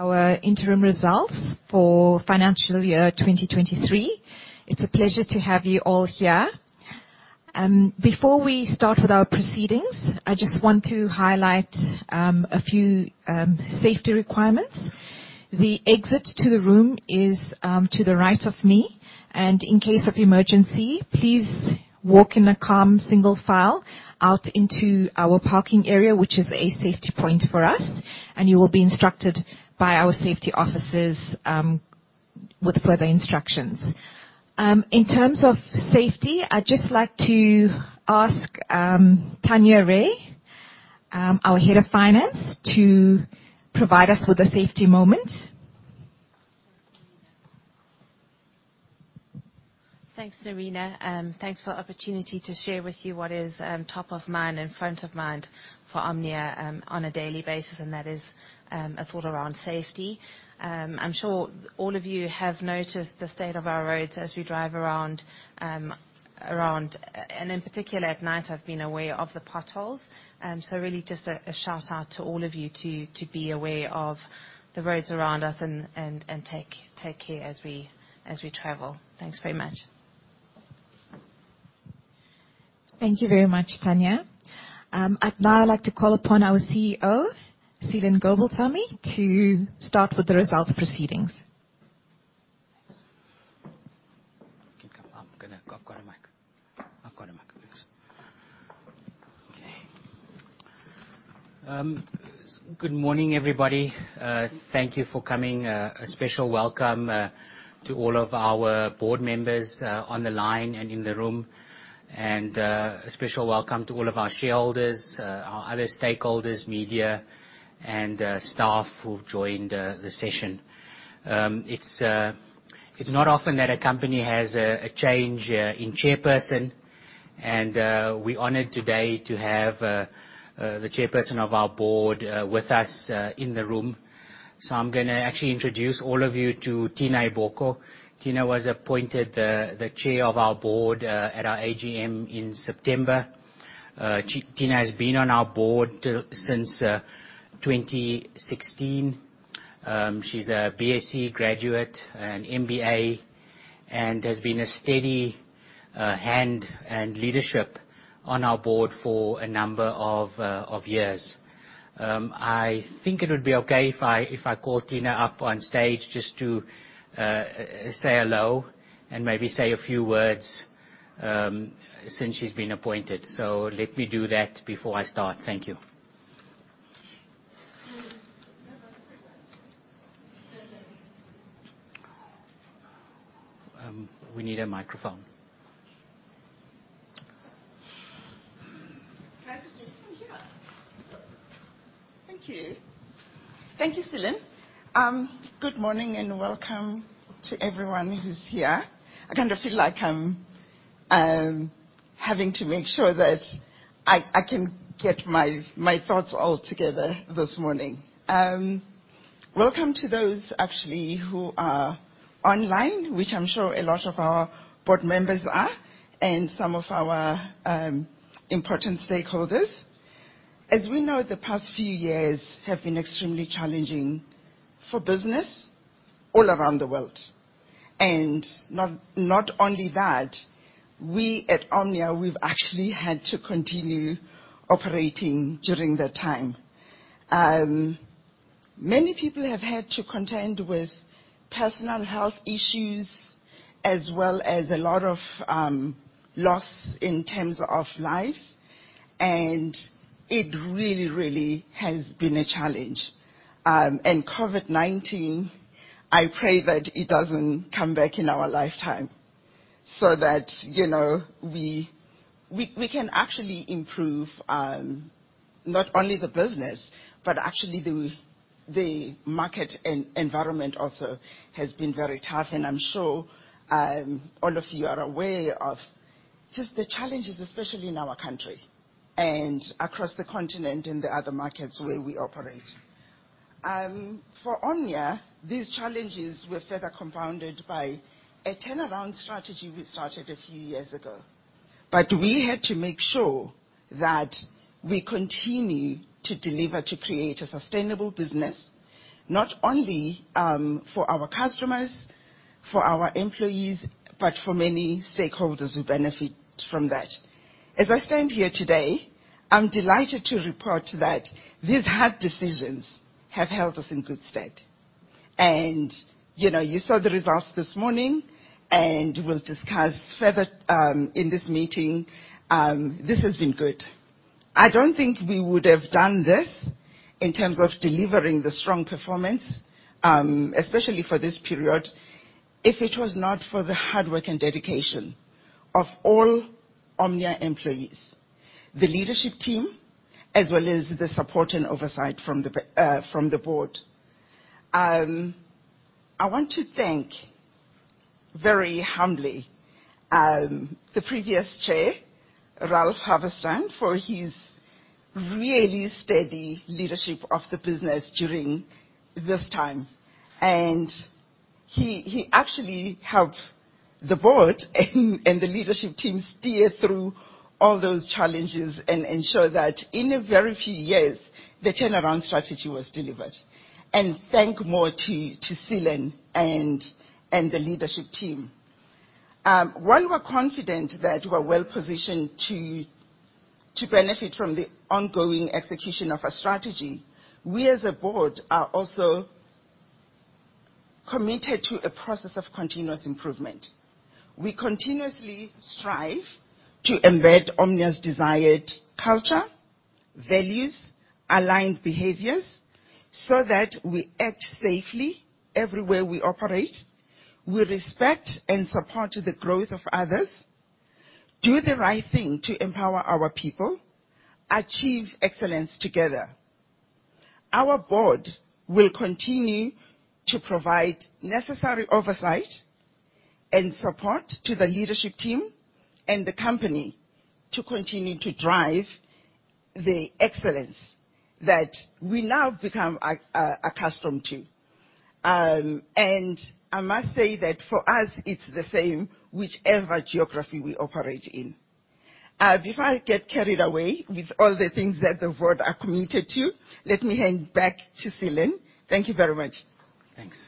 Our interim results for financial year 2023. It's a pleasure to have you all here. Before we start with our proceedings, I just want to highlight a few safety requirements. The exit to the room is to the right of me, and in case of emergency, please walk in a calm single file out into our parking area, which is a safety point for us, and you will be instructed by our safety officers with further instructions. In terms of safety, I'd just like to ask Tanya Rae, our head of finance, to provide us with a safety moment. Thanks, Norina. Thanks for opportunity to share with you what is top of mind and front of mind for Omnia on a daily basis, and that is a thought around safety. I'm sure all of you have noticed the state of our roads as we drive around and in particular at night, I've been aware of the potholes. Really just a shout-out to all of you to be aware of the roads around us and take care as we travel. Thanks very much. Thank you very much, Tanya. I'd now like to call upon our CEO, Seelan Gobalsamy, to start with the results proceedings. Thanks. I've got a mic. Okay. Good morning, everybody. Thank you for coming. A special welcome to all of our board members on the line and in the room. A special welcome to all of our shareholders, our other stakeholders, media and staff who've joined the session. It's not often that a company has a change in Chairperson and we honored today to have the Chairperson of our board with us in the room. I'm gonna actually introduce all of you to Tina Eboka. Tina was appointed the Chair of our board at our AGM in September. Tina has been on our board since 2016. She's a BSC graduate, an MBA, and has been a steady hand and leadership on our board for a number of years. I think it would be okay if I call Tina up on stage just to say hello and maybe say a few words since she's been appointed. Let me do that before I start. Thank you. We need a microphone. Can I just do it from here? Thank you. Thank you, Seelan. Good morning and welcome to everyone who's here. I kind of feel like I'm having to make sure that I can get my thoughts all together this morning. Welcome to those actually who are online, which I'm sure a lot of our board members are, and some of our important stakeholders. As we know, the past few years have been extremely challenging for business all around the world. Not only that, we at Omnia, we've actually had to continue operating during that time. Many people have had to contend with personal health issues as well as a lot of loss in terms of life, and it really has been a challenge. COVID-19, I pray that it doesn't come back in our lifetime so that, you know, we can actually improve, not only the business, but actually the market environment also has been very tough and I'm sure, all of you are aware of just the challenges, especially in our country and across the continent, in the other markets where we operate. For Omnia, these challenges were further compounded by a turnaround strategy we started a few years ago. We had to make sure that we continue to deliver, to create a sustainable business, not only for our customers, for our employees, but for many stakeholders who benefit from that. As I stand here today, I'm delighted to report that these hard decisions have held us in good stead. You know, you saw the results this morning and we'll discuss further in this meeting. This has been good. I don't think we would have done this in terms of delivering the strong performance, especially for this period, if it was not for the hard work and dedication of all Omnia employees, the leadership team, as well as the support and oversight from the board. I want to thank very humbly the previous chair, Ralph Havenstein, for his really steady leadership of the business during this time. He actually helped the board and the leadership team steer through all those challenges and ensure that in a very few years, the turnaround strategy was delivered. Thank more to Seelan and the leadership team. While we're confident that we're well-positioned to benefit from the ongoing execution of our strategy, we as a board are also committed to a process of continuous improvement. We continuously strive to embed Omnia's desired culture, values, aligned behaviors, so that we act safely everywhere we operate. We respect and support the growth of others, do the right thing to empower our people, achieve excellence together. Our board will continue to provide necessary oversight and support to the leadership team and the company to continue to drive the excellence that we now become accustomed to. And I must say that for us, it's the same whichever geography we operate in. Before I get carried away with all the things that the board are committed to, let me hand back to Seelan. Thank you very much. Thanks,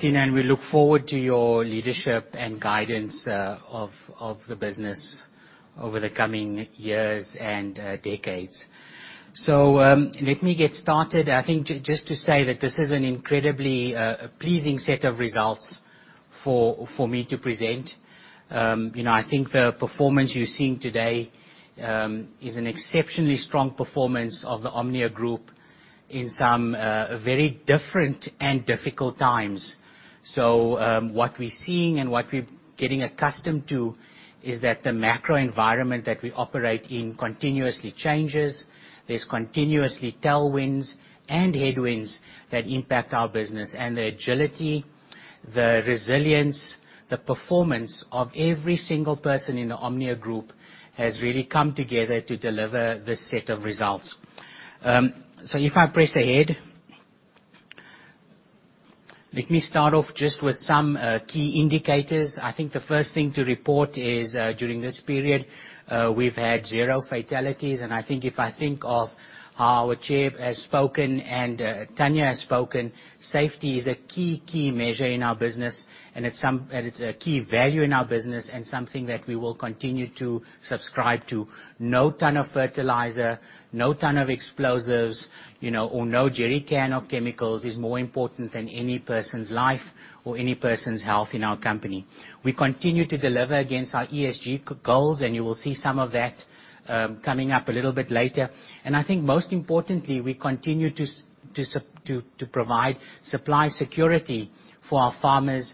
Tina. We look forward to your leadership and guidance of the business over the coming years and decades. Let me get started. I think just to say that this is an incredibly pleasing set of results for me to present. You know, I think the performance you're seeing today is an exceptionally strong performance of the Omnia group in some very different and difficult times. What we're seeing and what we're getting accustomed to is that the macro environment that we operate in continuously changes. There's continuously tailwinds and headwinds that impact our business. The agility, the resilience, the performance of every single person in the Omnia group has really come together to deliver this set of results. If I press ahead. Let me start off just with some key indicators. I think the first thing to report is during this period, we've had 0 fatalities. I think if I think of how our chair has spoken and Tanya has spoken, safety is a key measure in our business, and it's a key value in our business and something that we will continue to subscribe to. No ton of fertilizer, no ton of explosives, you know, or no jerrycan of chemicals is more important than any person's life or any person's health in our company. We continue to deliver against our ESG goals, and you will see some of that coming up a little bit later. I think most importantly, we continue to provide supply security for our farmers,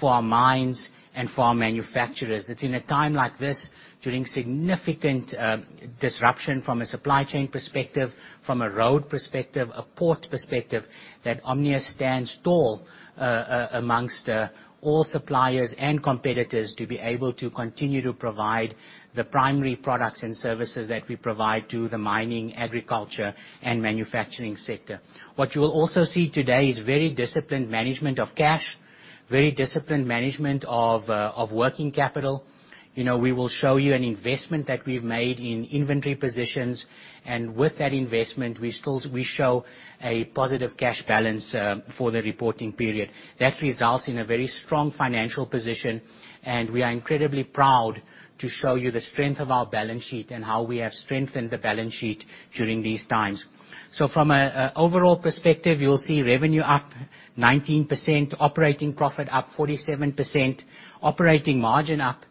for our mines, and for our manufacturers. It's in a time like this, during significant disruption from a supply chain perspective, from a road perspective, a port perspective, that Omnia stands tall amongst all suppliers and competitors to be able to continue to provide the primary products and services that we provide to the mining, agriculture, and manufacturing sector. What you will also see today is very disciplined management of cash, very disciplined management of working capital. You know, we will show you an investment that we've made in inventory positions, and with that investment, we show a positive cash balance for the reporting period. That results in a very strong financial position, and we are incredibly proud to show you the strength of our balance sheet and how we have strengthened the balance sheet during these times. From a overall perspective, you'll see revenue up 19%, operating profit up 47%, operating margin up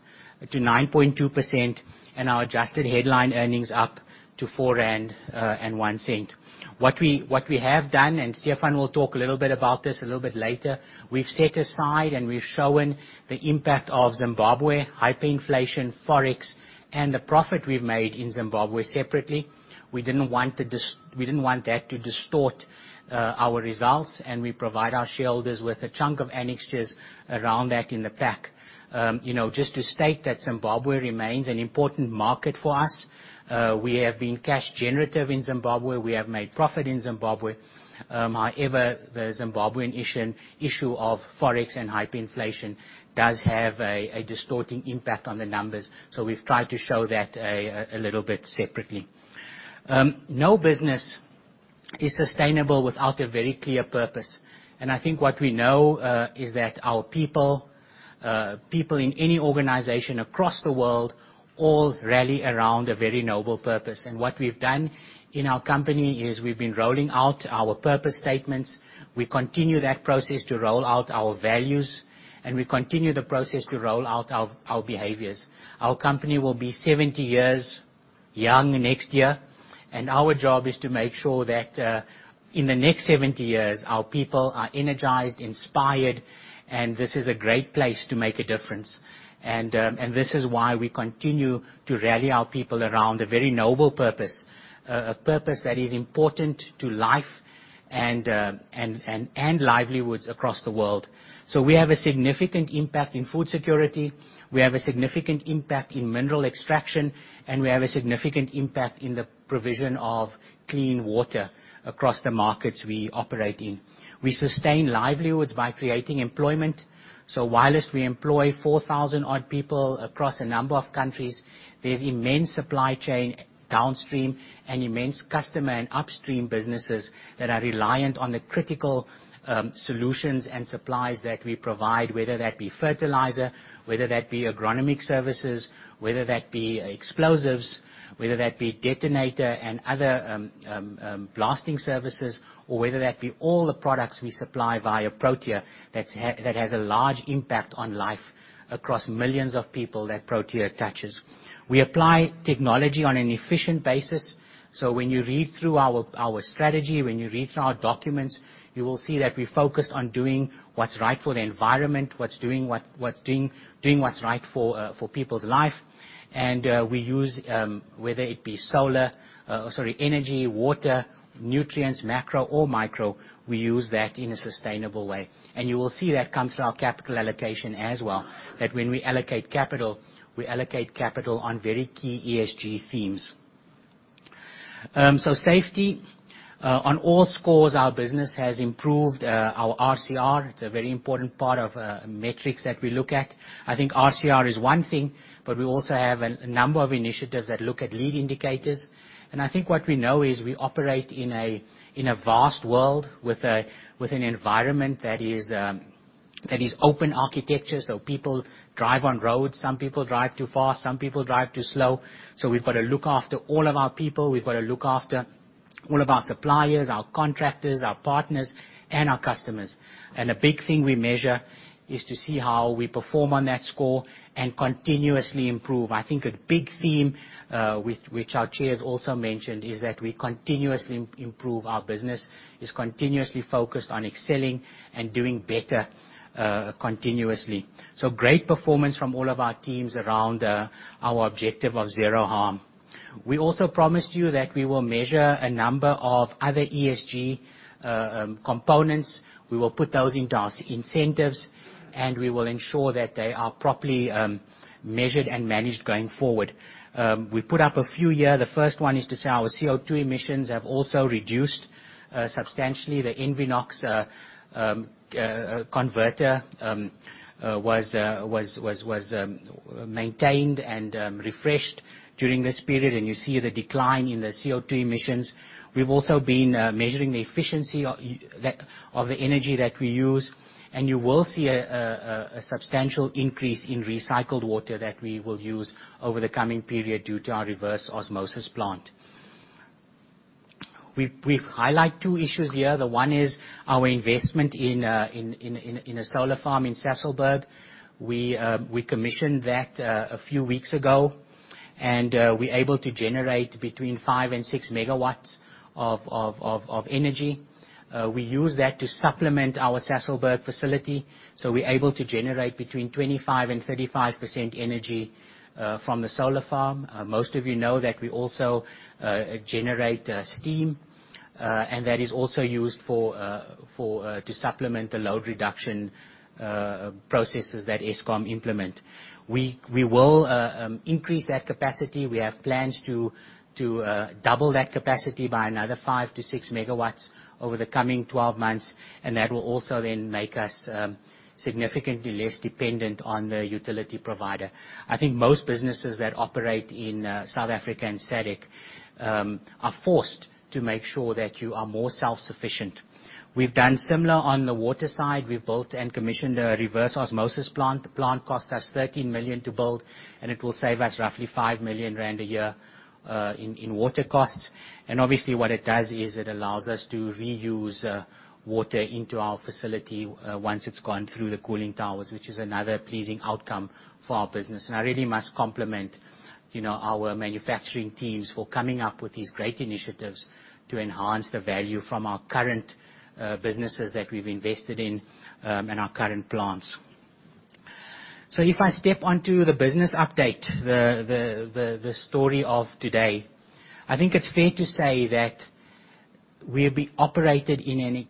to 9.2%, and our adjusted headline earnings up to 4.01 rand. What we have done, and Stephan will talk a little bit about this a little bit later, we've set aside and we've shown the impact of Zimbabwe, hyperinflation, Forex, and the profit we've made in Zimbabwe separately. We didn't want that to distort our results, and we provide our shareholders with a chunk of annexures around that in the back. You know, just to state that Zimbabwe remains an important market for us. We have been cash generative in Zimbabwe. We have made profit in Zimbabwe. However, the Zimbabwean issue of Forex and hyperinflation does have a distorting impact on the numbers. We've tried to show that a little bit separately. No business is sustainable without a very clear purpose. I think what we know is that our people in any organization across the world, all rally around a very noble purpose. What we've done in our company is we've been rolling out our purpose statements. We continue that process to roll out our values, and we continue the process to roll out our behaviors. Our company will be 70 years young next year, and our job is to make sure that, in the next 70 years, our people are energized, inspired, and this is a great place to make a difference. This is why we continue to rally our people around a very noble purpose, a purpose that is important to life and livelihoods across the world. We have a significant impact in food security, we have a significant impact in mineral extraction, and we have a significant impact in the provision of clean water across the markets we operate in. We sustain livelihoods by creating employment. Whilst we employ 4,000 odd people across a number of countries, there's immense supply chain downstream, and immense customer and upstream businesses that are reliant on the critical solutions and supplies that we provide, whether that be fertilizer, whether that be agronomic services, whether that be explosives, whether that be detonator and other blasting services, or whether that be all the products we supply via Protea that has a large impact on life across millions of people that Protea touches. We apply technology on an efficient basis. When you read through our strategy, when you read through our documents, you will see that we focus on doing what's right for the environment, what's doing what's right for people's life. We use whether it be solar, energy, water, nutrients, macro or micro, we use that in a sustainable way. You will see that come through our capital allocation as well, that when we allocate capital, we allocate capital on very key ESG themes. Safety. On all scores, our business has improved our RCR. It's a very important part of metrics that we look at. I think RCR is one thing, but we also have a number of initiatives that look at lead indicators. I think what we know is we operate in a vast world with an environment that is open architecture, so people drive on roads. Some people drive too fast, some people drive too slow. We've got to look after all of our people, we've got to look after all of our suppliers, our contractors, our partners, and our customers. A big thing we measure is to see how we perform on that score and continuously improve. I think a big theme, which our chair has also mentioned, is that we continuously improve our business, is continuously focused on excelling and doing better continuously. Great performance from all of our teams around our objective of zero harm. We also promised you that we will measure a number of other ESG components. We will put those into our incentives, and we will ensure that they are properly measured and managed going forward. We put up a few here. The first one is to say our CO2 emissions have also reduced substantially. The EnviNOx converter was maintained and refreshed during this period, and you see the decline in the CO2 emissions. We've also been measuring the efficiency of the energy that we use, and you will see a substantial increase in recycled water that we will use over the coming period due to our reverse osmosis plant. We've highlighted two issues here. The one is our investment in a solar farm in Sasolburg. We commissioned that a few weeks ago, and we're able to generate between 5 and 6 MW of energy. We use that to supplement our Sasolburg facility, so we're able to generate between 25% and 35% energy from the solar farm. Most of you know that we also generate steam, and that is also used for to supplement the load reduction processes that Eskom implement. We will increase that capacity. We have plans to double that capacity by another 5 to 6 MW over the coming 12 months, and that will also then make us significantly less dependent on the utility provider. I think most businesses that operate in South Africa and SADC are forced to make sure that you are more self-sufficient. We've done similar on the water side. We built and commissioned a reverse osmosis plant. The plant cost us 13 million to build, and it will save us roughly 5 million rand a year in water costs. Obviously what it does is it allows us to reuse, water into our facility, once it's gone through the cooling towers, which is another pleasing outcome for our business. I really must compliment, you know, our manufacturing teams for coming up with these great initiatives to enhance the value from our current, businesses that we've invested in, and our current plans. If I step onto the business update, the story of today, I think it's fair to say that we've be operated in an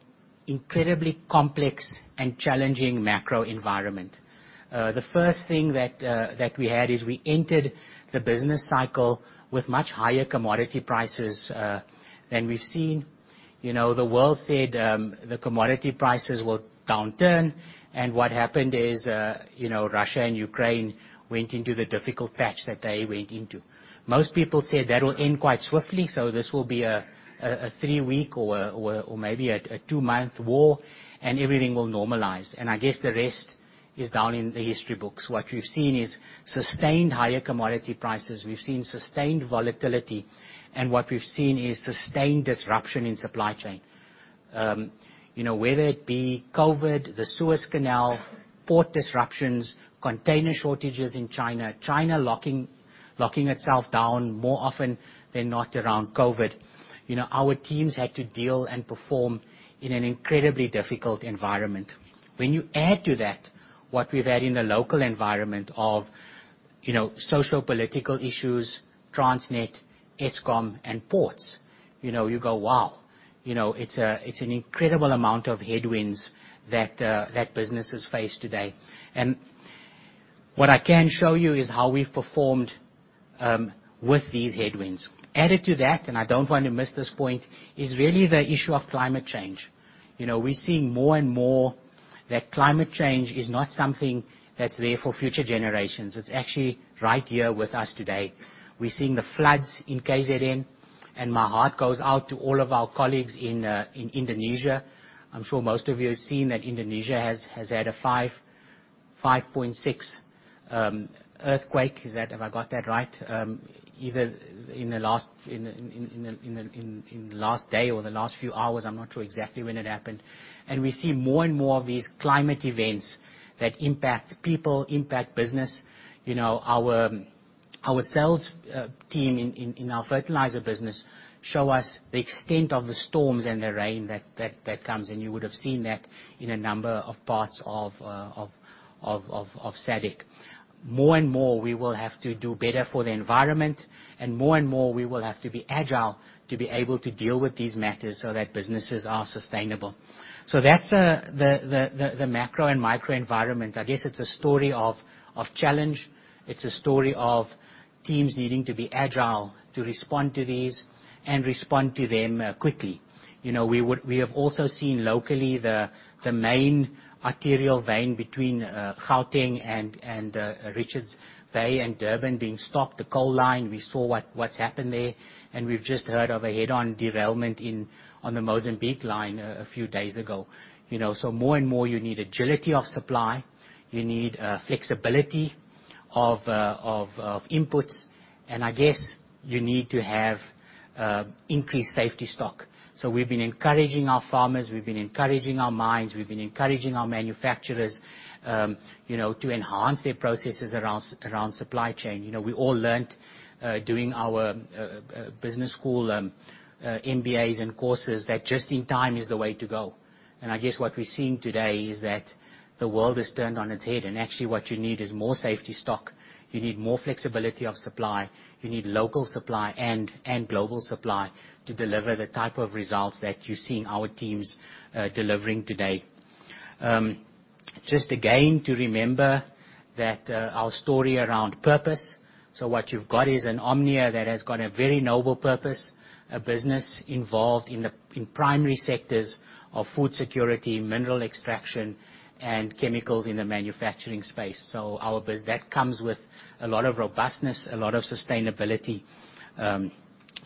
incredibly complex and challenging macro environment. The first thing that we had is we entered the business cycle with much higher commodity prices, than we've seen. You know, the world said, the commodity prices will downturn and what happened is, you know, Russia and Ukraine went into the difficult patch that they went into. Most people said that will end quite swiftly, so this will be a three-week or a two-month war and everything will normalize. I guess the rest is down in the history books. What we've seen is sustained higher commodity prices. We've seen sustained volatility, and what we've seen is sustained disruption in supply chain. You know, whether it be COVID, the Suez Canal, port disruptions, container shortages in China locking itself down more often than not around COVID. You know, our teams had to deal and perform in an incredibly difficult environment. When you add to that what we've had in the local environment of. You know, social political issues, Transnet, Eskom, and ports. You know, you go, wow. You know, it's a, it's an incredible amount of headwinds that businesses face today. What I can show you is how we've performed with these headwinds. Added to that, I don't want to miss this point, is really the issue of climate change. You know, we're seeing more and more that climate change is not something that's there for future generations. It's actually right here with us today. We're seeing the floods in [KZN], my heart goes out to all of our colleagues in Indonesia. I'm sure most of you have seen that Indonesia has had a 5.6 earthquake. Have I got that right? either in the last day or the last few hours, I'm not sure exactly when it happened. We see more and more of these climate events that impact people, impact business. You know, our sales team in our fertilizer business show us the extent of the storms and the rain that comes, and you would have seen that in a number of parts of SADC. More and more, we will have to do better for the environment, and more and more we will have to be agile to be able to deal with these matters so that businesses are sustainable. That's the macro and micro environment. I guess it's a story of challenge. It's a story of teams needing to be agile to respond to these and respond to them quickly. You know, We have also seen locally the main arterial vein between Gauteng and Richards Bay and Durban being stopped, the coal line. We saw what's happened there, and we've just heard of a head-on derailment on the Mozambique line a few days ago. You know, more and more you need agility of supply, you need flexibility of inputs, and I guess you need to have increased safety stock. We've been encouraging our farmers, we've been encouraging our mines, we've been encouraging our manufacturers, you know, to enhance their processes around supply chain. You know, we all learnt, doing our business school MBAs and courses that just in time is the way to go. I guess what we're seeing today is that the world is turned on its head, and actually what you need is more safety stock. You need more flexibility of supply. You need local supply and global supply to deliver the type of results that you're seeing our teams delivering today. Just again to remember that our story around purpose. What you've got is an Omnia that has got a very noble purpose, a business involved in the primary sectors of food security, mineral extraction and chemicals in the manufacturing space. That comes with a lot of robustness, a lot of sustainability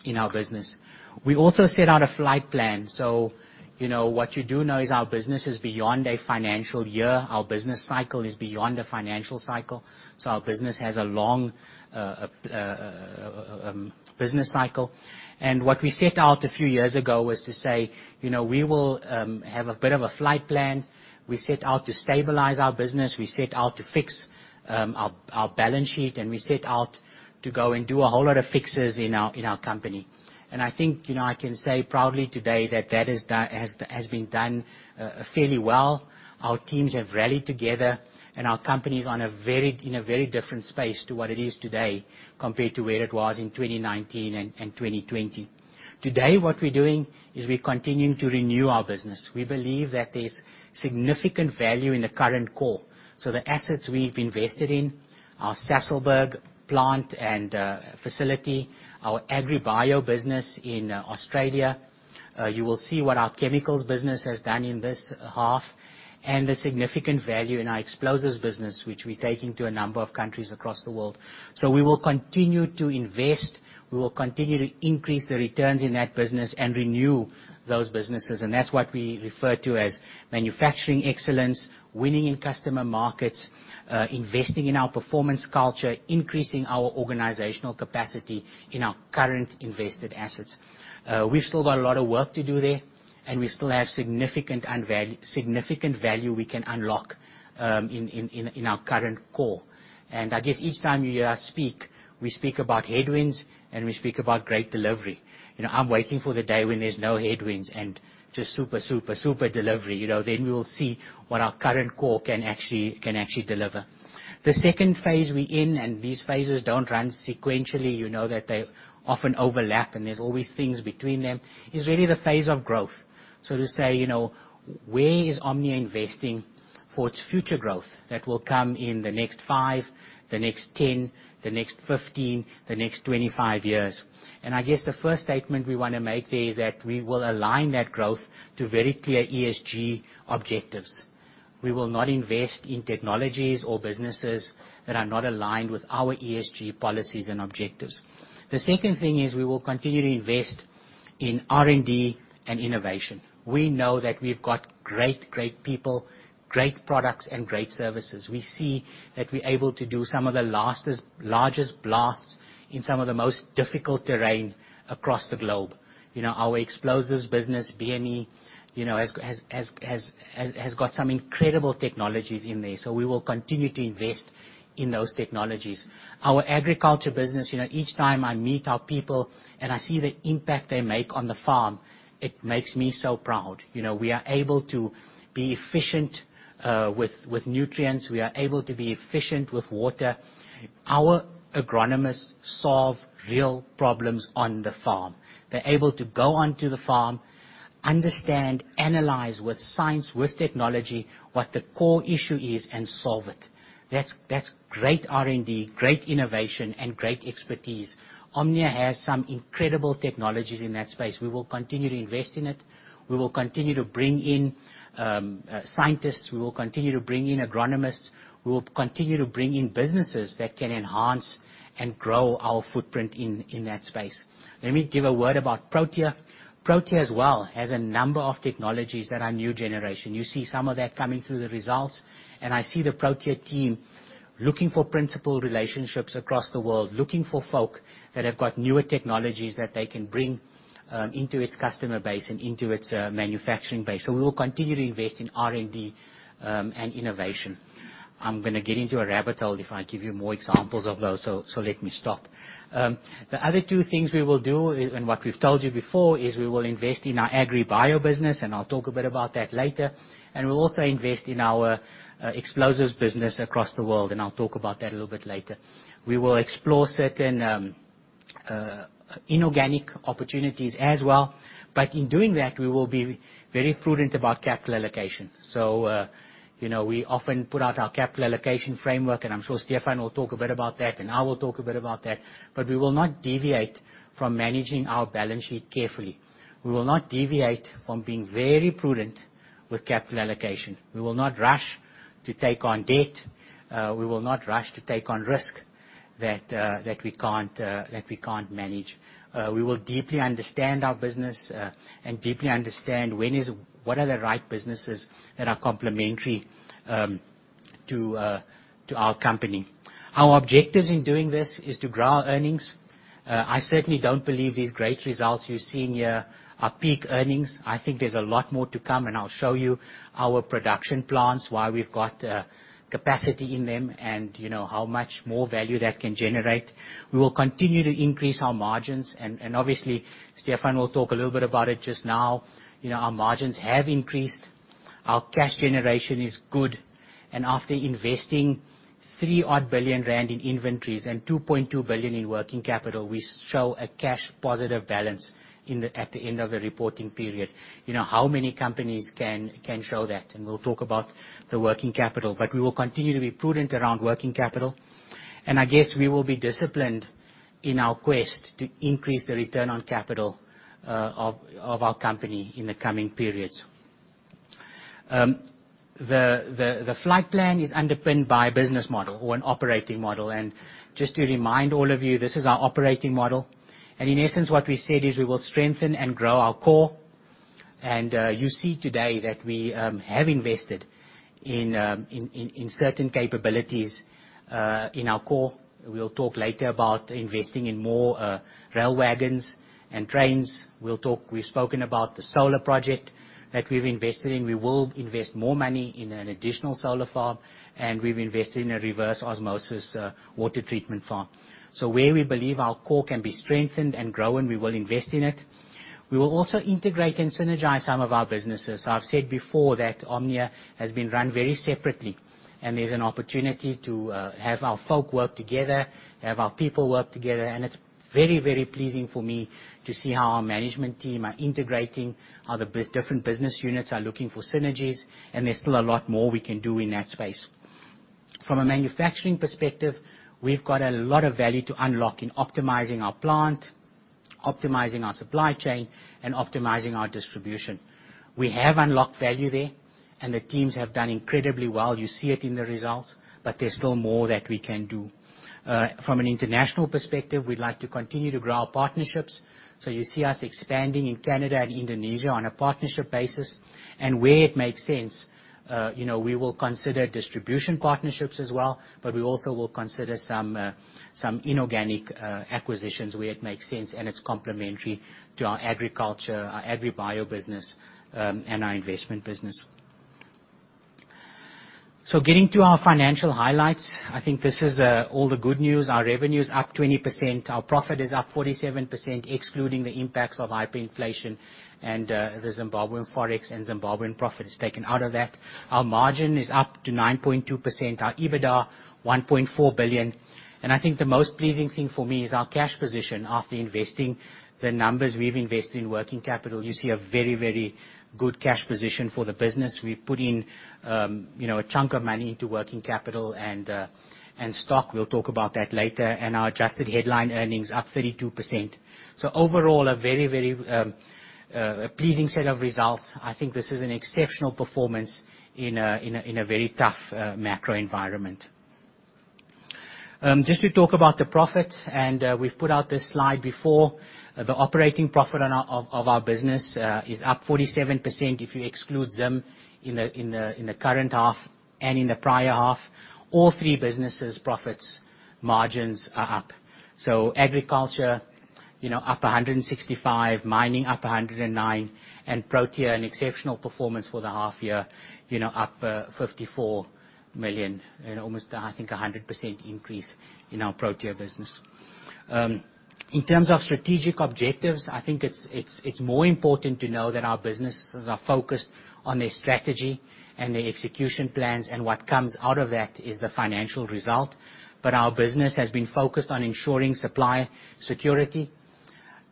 in our business. We also set out a flight plan. You know, what you do know is our business is beyond a financial year. Our business cycle is beyond a financial cycle. Our business has a long business cycle. What we set out a few years ago was to say, you know, we will have a bit of a flight plan. We set out to stabilize our business. We set out to fix our balance sheet, and we set out to go and do a whole lot of fixes in our company. I think, you know, I can say proudly today that that has been done fairly well. Our teams have rallied together and our company's in a very different space to what it is today compared to where it was in 2019 and 2020. Today, what we're doing is we're continuing to renew our business. We believe that there's significant value in the current core. The assets we've invested in, our Sasolburg plant and facility, our AgriBio business in Australia. You will see what our chemicals business has done in this half, and the significant value in our explosives business, which we're taking to a number of countries across the world. We will continue to invest. We will continue to increase the returns in that business and renew those businesses. That's what we refer to as manufacturing excellence, winning in customer markets, investing in our performance culture, increasing our organizational capacity in our current invested assets. We've still got a lot of work to do there, and we still have significant value we can unlock in our current core. I guess each time you hear us speak, we speak about headwinds and we speak about great delivery. You know, I'm waiting for the day when there's no headwinds and just super, super delivery. You know, then we will see what our current core can actually deliver. The second phase we're in, and these phases don't run sequentially, you know that they often overlap, and there's always things between them, is really the phase of growth. To say, you know, where is Omnia investing for its future growth that will come in the next five, the next 10, the next 15, the next 25 years? I guess the first statement we wanna make there is that we will align that growth to very clear ESG objectives. We will not invest in technologies or businesses that are not aligned with our ESG policies and objectives. The second thing is we will continue to invest in R&D and innovation. We know that we've got great people, great products and great services. We see that we're able to do some of the largest blasts in some of the most difficult terrain across the globe. You know, our explosives business, BME, you know, has got some incredible technologies in there. We will continue to invest in those technologies. Our agriculture business, you know, each time I meet our people and I see the impact they make on the farm, it makes me so proud. You know, we are able to be efficient with nutrients, we are able to be efficient with water. Our agronomists solve real problems on the farm. They're able to go onto the farm, understand, analyze with science, with technology, what the core issue is and solve it. That's great R&D, great innovation, and great expertise. Omnia has some incredible technologies in that space. We will continue to invest in it. We will continue to bring in scientists. We will continue to bring in agronomists. We will continue to bring in businesses that can enhance and grow our footprint in that space. Let me give a word about Protea. Protea as well has a number of technologies that are new generation. You see some of that coming through the results. I see the Protea team looking for principal relationships across the world. Looking for folk that have got newer technologies that they can bring into its customer base and into its manufacturing base. We will continue to invest in R&D and innovation. I'm gonna get into a rabbit hole if I give you more examples of those, so let me stop. The other two things we will do and what we've told you before is we will invest in our AgriBio business, and I'll talk a bit about that later. We'll also invest in our explosives business across the world, and I'll talk about that a little bit later. We will explore certain inorganic opportunities as well. In doing that, we will be very prudent about capital allocation. You know, we often put out our capital allocation framework, and I'm sure Stephan will talk a bit about that, and I will talk a bit about that. We will not deviate from managing our balance sheet carefully. We will not deviate from being very prudent with capital allocation. We will not rush to take on debt. We will not rush to take on risk that we can't manage. We will deeply understand our business and deeply understand what are the right businesses that are complementary to our company. Our objectives in doing this is to grow our earnings. I certainly don't believe these great results you're seeing here are peak earnings. I think there's a lot more to come, and I'll show you our production plans, why we've got capacity in them and, you know, how much more value that can generate. We will continue to increase our margins and obviously, Stephan will talk a little bit about it just now. You know, our margins have increased. Our cash generation is good. After investing 3 odd billion in inventories and 2.2 billion in working capital, we show a cash positive balance at the end of the reporting period. You know, how many companies can show that? We'll talk about the working capital. We will continue to be prudent around working capital. I guess we will be disciplined in our quest to increase the return on capital of our company in the coming periods. The flight plan is underpinned by a business model or an operating model. Just to remind all of you, this is our operating model. In essence, what we said is we will strengthen and grow our core. And you see today that we have invested in certain capabilities in our core. We'll talk later about investing in more rail wagons and trains. We've spoken about the solar project that we've invested in. We will invest more money in an additional solar farm, and we've invested in a reverse osmosis water treatment farm. Where we believe our core can be strengthened and grown, we will invest in it. We will also integrate and synergize some of our businesses. I've said before that Omnia has been run very separately, and there's an opportunity to have our folk work together, have our people work together. It's very, very pleasing for me to see how our management team are integrating, how the different business units are looking for synergies, and there's still a lot more we can do in that space. From a manufacturing perspective, we've got a lot of value to unlock in optimizing our plant, optimizing our supply chain, and optimizing our distribution. We have unlocked value there, and the teams have done incredibly well. You see it in the results, but there's still more that we can do. From an international perspective, we'd like to continue to grow our partnerships. You see us expanding in Canada and Indonesia on a partnership basis. Where it makes sense, you know, we will consider distribution partnerships as well, but we also will consider some inorganic acquisitions where it makes sense and it's complementary to our agriculture, our AgriBio business, and our investment business. Getting to our financial highlights, I think this is all the good news. Our revenue is up 20%. Our profit is up 47%, excluding the impacts of hyperinflation and the Zimbabwean Forex and Zimbabwean profit is taken out of that. Our margin is up to 9.2%. Our EBITDA, 1.4 billion. I think the most pleasing thing for me is our cash position after investing the numbers we've invested in working capital. You see a very good cash position for the business. We've put in, you know, a chunk of money into working capital and stock. We'll talk about that later. Our adjusted headline earnings up 32%. Overall, a very, very, a pleasing set of results. I think this is an exceptional performance in a very tough, macro environment. Just to talk about the profit. We've put out this slide before. The operating profit of our business is up 47% if you exclude Zim in the current half and in the prior half. All three businesses' profits margins are up. Agriculture, you know, up 165 million, mining up 109 million, and Protea, an exceptional performance for the half year, you know, up 54 million and almost, I think, a 100% increase in our Protea business. In terms of strategic objectives, I think it's, it's more important to know that our businesses are focused on their strategy and their execution plans and what comes out of that is the financial result. Our business has been focused on ensuring supply security.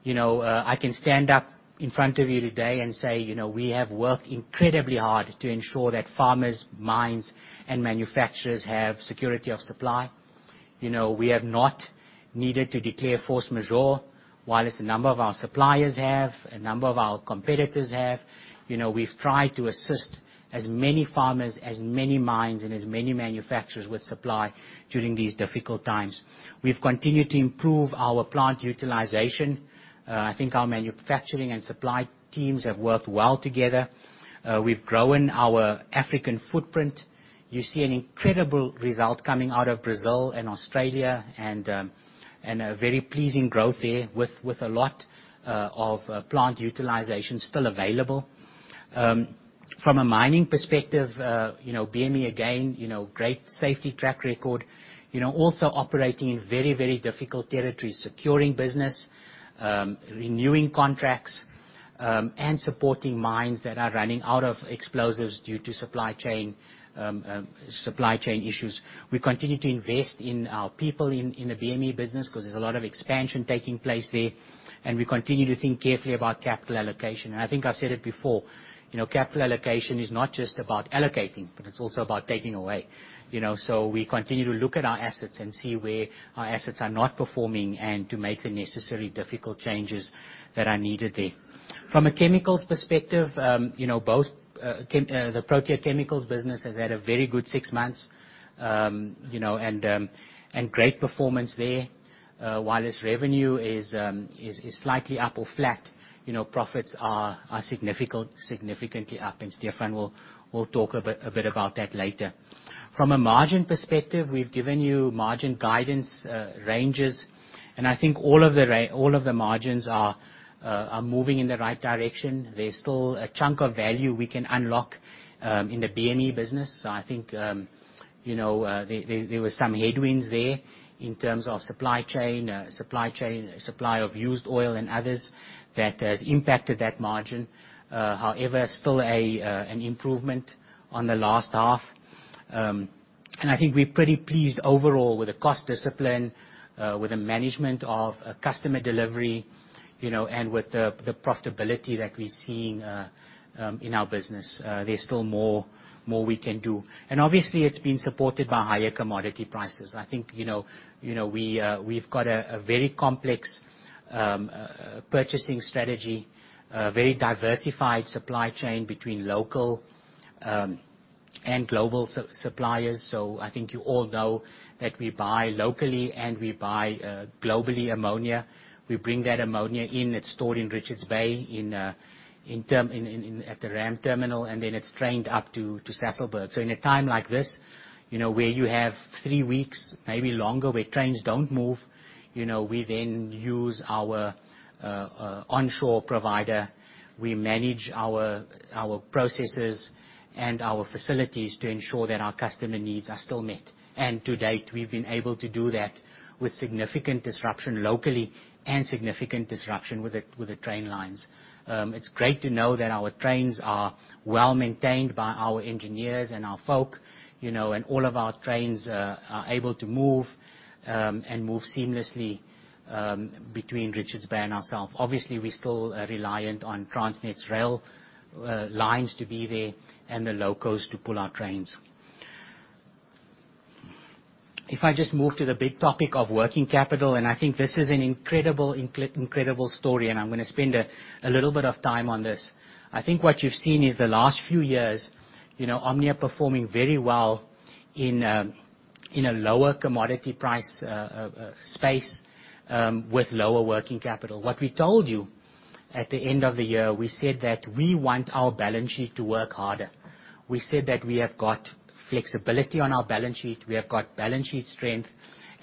You know, I can stand up in front of you today and say, you know, we have worked incredibly hard to ensure that farmers, mines, and manufacturers have security of supply. You know, we have not needed to declare force majeure, whilst a number of our suppliers have, a number of our competitors have. You know, we've tried to assist as many farmers, as many mines, and as many manufacturers with supply during these difficult times. We've continued to improve our plant utilization. I think our manufacturing and supply teams have worked well together. We've grown our African footprint. You see an incredible result coming out of Brazil and Australia and a very pleasing growth there with a lot of plant utilization still available. From a mining perspective, you know, BME again, you know, great safety track record. You know, also operating in very, very difficult territory, securing business, renewing contracts, and supporting mines that are running out of explosives due to supply chain issues. We continue to invest in our people in the BME business, 'cause there's a lot of expansion taking place there, and we continue to think carefully about capital allocation. I think I've said it before, you know, capital allocation is not just about allocating, but it's also about taking away. You know, we continue to look at our assets and see where our assets are not performing and to make the necessary difficult changes that are needed there. From a chemicals perspective, you know, the Protea Chemicals business has had a very good six months, you know, and great performance there. Whilst revenue is slightly up or flat, you know, profits are significantly up, and Stephan will talk a bit about that later. From a margin perspective, we've given you margin guidance, ranges, I think all of the margins are moving in the right direction. There's still a chunk of value we can unlock in the BME business. I think, you know, there were some headwinds there in terms of supply chain, supply of used oil and others that has impacted that margin. However, still an improvement on the last half. I think we're pretty pleased overall with the cost discipline, with the management of customer delivery, you know, and with the profitability that we're seeing in our business. There's still more we can do. Obviously it's been supported by higher commodity prices. I think, you know, you know, we've got a very complex purchasing strategy, a very diversified supply chain between local and global suppliers. I think you all know that we buy locally and we buy globally ammonia. We bring that ammonia in, it's stored in Richards Bay at the RAM Terminal, and then it's trained up to Sasolburg. In a time like this, you know, where you have three weeks, maybe longer, where trains don't move, you know, we then use our onshore provider. We manage our processes and our facilities to ensure that our customer needs are still met. To date, we've been able to do that with significant disruption locally and significant disruption with the train lines. It's great to know that our trains are well-maintained by our engineers and our folk, you know, and all of our trains are able to move and move seamlessly between Richards Bay and ourselves. Obviously, we're still reliant on Transnet's rail lines to be there and the locals to pull our trains. If I just move to the big topic of working capital, and I think this is an incredible story, and I'm gonna spend a little bit of time on this. I think what you've seen is the last few years, you know, Omnia performing very well in a lower commodity price space with lower working capital. What we told you at the end of the year, we said that we want our balance sheet to work harder. We said that we have got flexibility on our balance sheet. We have got balance sheet strength.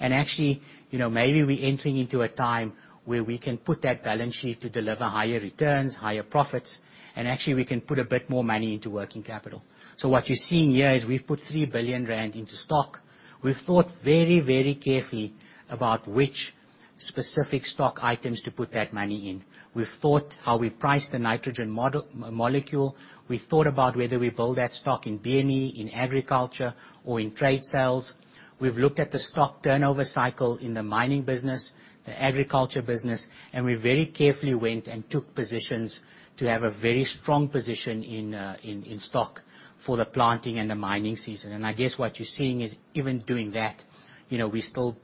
Actually, you know, maybe we're entering into a time where we can put that balance sheet to deliver higher returns, higher profits, and actually we can put a bit more money into working capital. What you're seeing here is we've put 3 billion rand into stock. We've thought very, very carefully about which specific stock items to put that money in. We've thought how we price the nitrogen molecule. We've thought about whether we build that stock in BME, in agriculture, or in trade sales. We've looked at the stock turnover cycle in the mining business, the agriculture business, and we very carefully went and took positions to have a very strong position in stock for the planting and the mining season. I guess what you're seeing is even doing that, you know, we still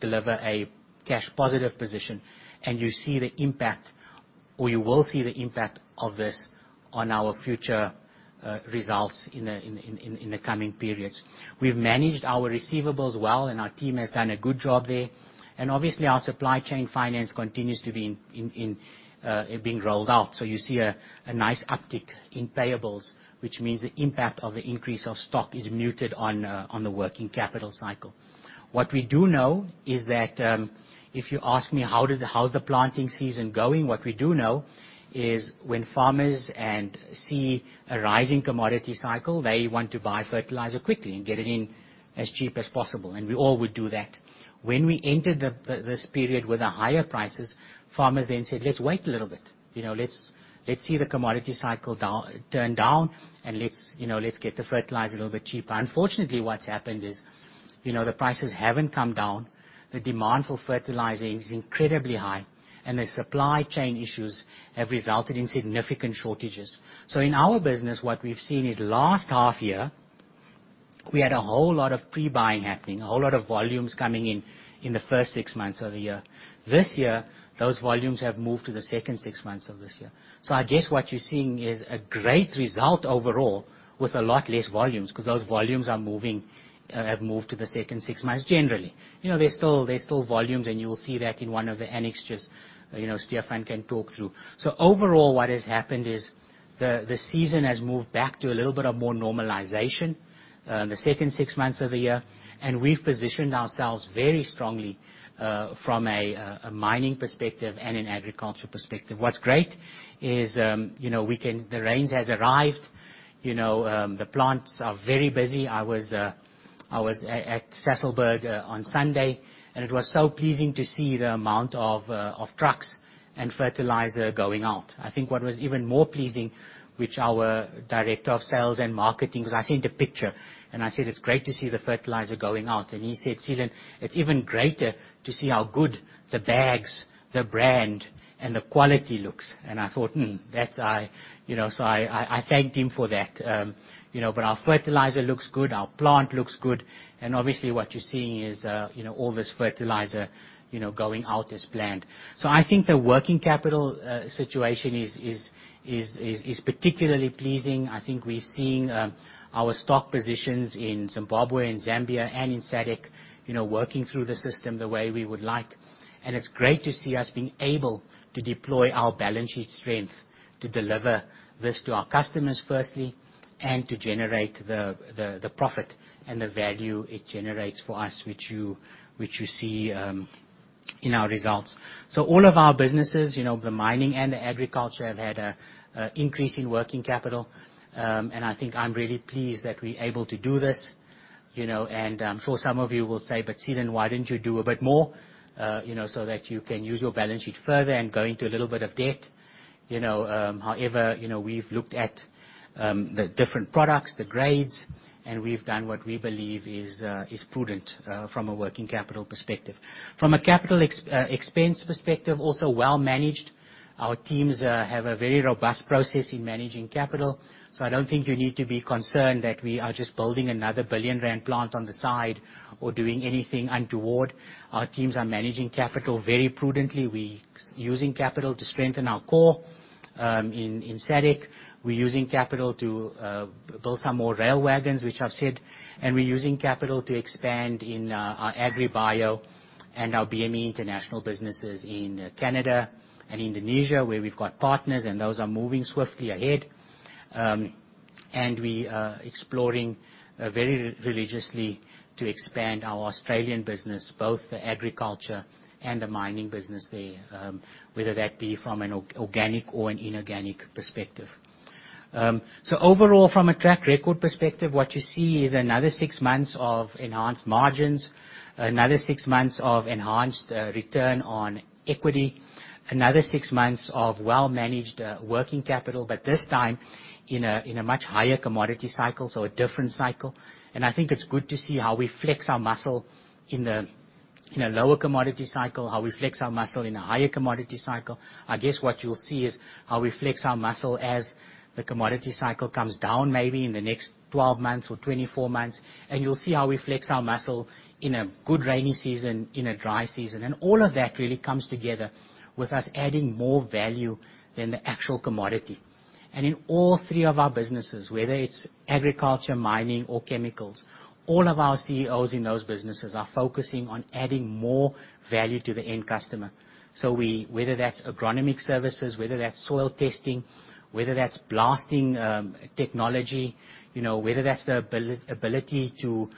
deliver a cash positive position and you see the impact, or you will see the impact of this on our future results in the coming periods. We've managed our receivables well, and our team has done a good job there. Obviously, our supply chain finance continues to be in being rolled out. You see a nice uptick in payables, which means the impact of the increase of stock is muted on the working capital cycle. What we do know is that, if you ask me, how's the planting season going? What we do know is when farmers see a rising commodity cycle, they want to buy fertilizer quickly and get it in as cheap as possible, and we all would do that. When we entered this period with the higher prices, farmers then said, "Let's wait a little bit, you know. Let's see the commodity cycle turn down, and you know, let's get the fertilizer a little bit cheaper." Unfortunately, what's happened is, you know, the prices haven't come down, the demand for fertilizer is incredibly high, and the supply chain issues have resulted in significant shortages. In our business, what we've seen is last half year. We had a whole lot of pre-buying happening, a whole lot of volumes coming in the first six months of the year. This year, those volumes have moved to the second six months of this year. I guess what you're seeing is a great result overall with a lot less volumes, 'cause those volumes are moving, have moved to the second six months, generally. You know, there's still volumes, and you will see that in one of the annexures, you know, Stephan can talk through. Overall, what has happened is the season has moved back to a little bit of more normalization, in the second six months of the year, and we've positioned ourselves very strongly, from a mining perspective and an agriculture perspective. What's great is, you know, we can. The rains has arrived. You know, the plants are very busy. I was at Sasolburg on Sunday, and it was so pleasing to see the amount of trucks and fertilizer going out. I think what was even more pleasing, which our director of sales and marketing, 'cause I sent a picture, and I said, "It's great to see the fertilizer going out." He said, "Seelan, it's even greater to see how good the bags, the brand, and the quality looks." I thought, "Hmm, that's I." You know, so I thanked him for that. You know, but our fertilizer looks good, our plant looks good, and obviously what you're seeing is, you know, all this fertilizer, you know, going out as planned. I think the working capital situation is particularly pleasing. I think we're seeing, our stock positions in Zimbabwe and Zambia and in SADC, you know, working through the system the way we would like. It's great to see us being able to deploy our balance sheet strength to deliver this to our customers firstly, and to generate the profit and the value it generates for us, which you see in our results. All of our businesses, you know, the mining and the agriculture have had a increase in working capital, and I think I'm really pleased that we're able to do this, you know. Some of you will say, "Seelan, why didn't you do a bit more, you know, so that you can use your balance sheet further and go into a little bit of debt?" You know, however, you know, we've looked at the different products, the grades, and we've done what we believe is prudent from a working capital perspective. From a CapEx perspective, also well managed. Our teams have a very robust process in managing capital, so I don't think you need to be concerned that we are just building another 1 billion rand plant on the side or doing anything untoward. Our teams are managing capital very prudently. We're using capital to strengthen our core in SADC. We're using capital to build some more rail wagons, which I've said, and we're using capital to expand in our AgriBio and our BME international businesses in Canada and Indonesia, where we've got partners, and those are moving swiftly ahead. We are exploring very religiously to expand our Australian business, both the agriculture and the mining business there, whether that be from an organic or an inorganic perspective. Overall, from a track record perspective, what you see is another six months of enhanced margins, another six months of enhanced return on equity, another six months of well-managed working capital. This time, in a much higher commodity cycle, a different cycle. I think it's good to see how we flex our muscle in a lower commodity cycle, how we flex our muscle in a higher commodity cycle. I guess what you'll see is how we flex our muscle as the commodity cycle comes down, maybe in the next 12 months or 24 months. You'll see how we flex our muscle in a good rainy season, in a dry season. All of that really comes together with us adding more value than the actual commodity. In all three of our businesses, whether it's agriculture, mining, or chemicals, all of our CEOs in those businesses are focusing on adding more value to the end customer. Whether that's agronomic services, whether that's soil testing, whether that's blasting technology, you know, whether that's the ability to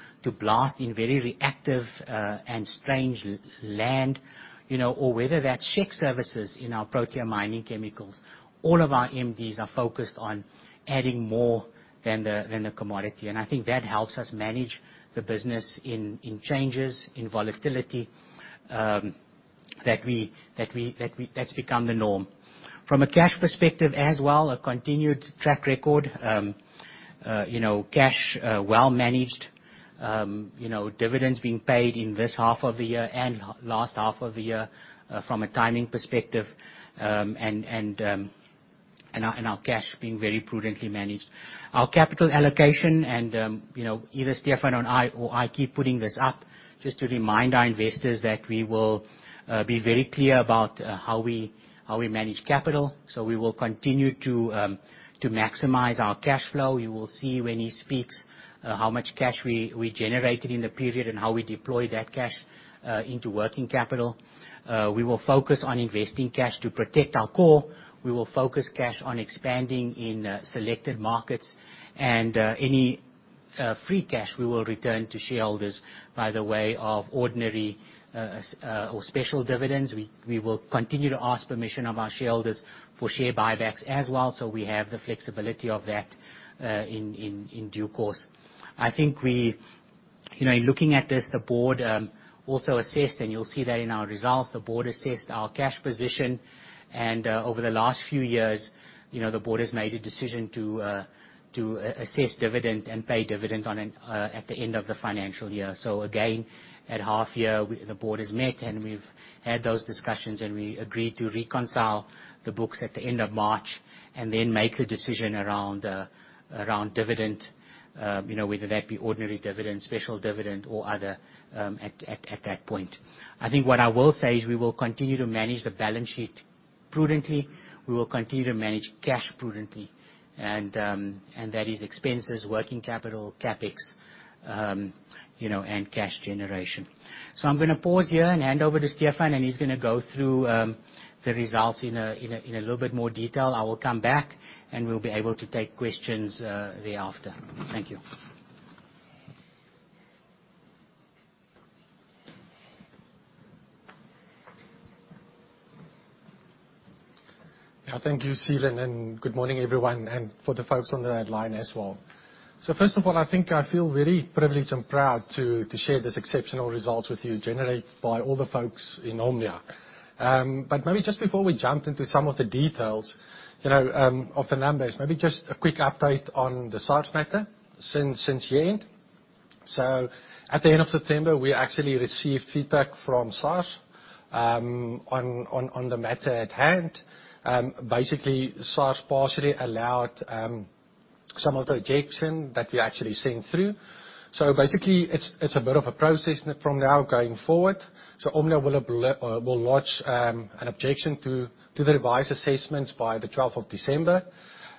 blast in very reactive and strange land, you know, or whether that's check services in our Protea Mining Chemicals, all of our MDs are focused on adding more than the commodity. I think that helps us manage the business in changes, in volatility, that's become the norm. From a cash perspective as well, a continued track record, you know, cash well managed, you know, dividends being paid in this half of the year and last half of the year, from a timing perspective, and our cash being very prudently managed. Our capital allocation and, you know, either Stephan and I or I keep putting this up just to remind our investors that we will be very clear about how we manage capital. We will continue to maximize our cash flow. You will see when he speaks, how much cash we generated in the period and how we deployed that cash into working capital. We will focus on investing cash to protect our core. We will focus cash on expanding in selected markets. Any free cash, we will return to shareholders by the way of ordinary or special dividends. We will continue to ask permission of our shareholders for share buybacks as well, so we have the flexibility of that in due course. You know, in looking at this, the board also assessed, and you'll see that in our results, the board assessed our cash position. Over the last few years, you know, the board has made a decision to assess dividend and pay dividend on an at the end of the financial year. Again, at half year, we, the board has met and we've had those discussions and we agreed to reconcile the books at the end of March and then make the decision around dividend, you know, whether that be ordinary dividend, special dividend, or other, at that point. I think what I will say is we will continue to manage the balance sheet prudently, we will continue to manage cash prudently, and that is expenses, working capital, CapEx, you know, and cash generation. I'm gonna pause here and hand over to Stephan, and he's gonna go through the results in a little bit more detail. I will come back, and we'll be able to take questions thereafter. Thank you. Yeah. Thank you, Seelan, and good morning everyone, and for the folks on the line as well. First of all, I think I feel very privileged and proud to share this exceptional results with you, generated by all the folks in Omnia. Maybe just before we jump into some of the details, you know, of the numbers, maybe just a quick update on the SARS matter since year-end. At the end of September, we actually received feedback from SARS on the matter at hand. Basically, SARS partially allowed some of the objection that we actually sent through. Basically, it's a bit of a process from now going forward. Omnia will lodge an objection to the revised assessments by the 12th of December.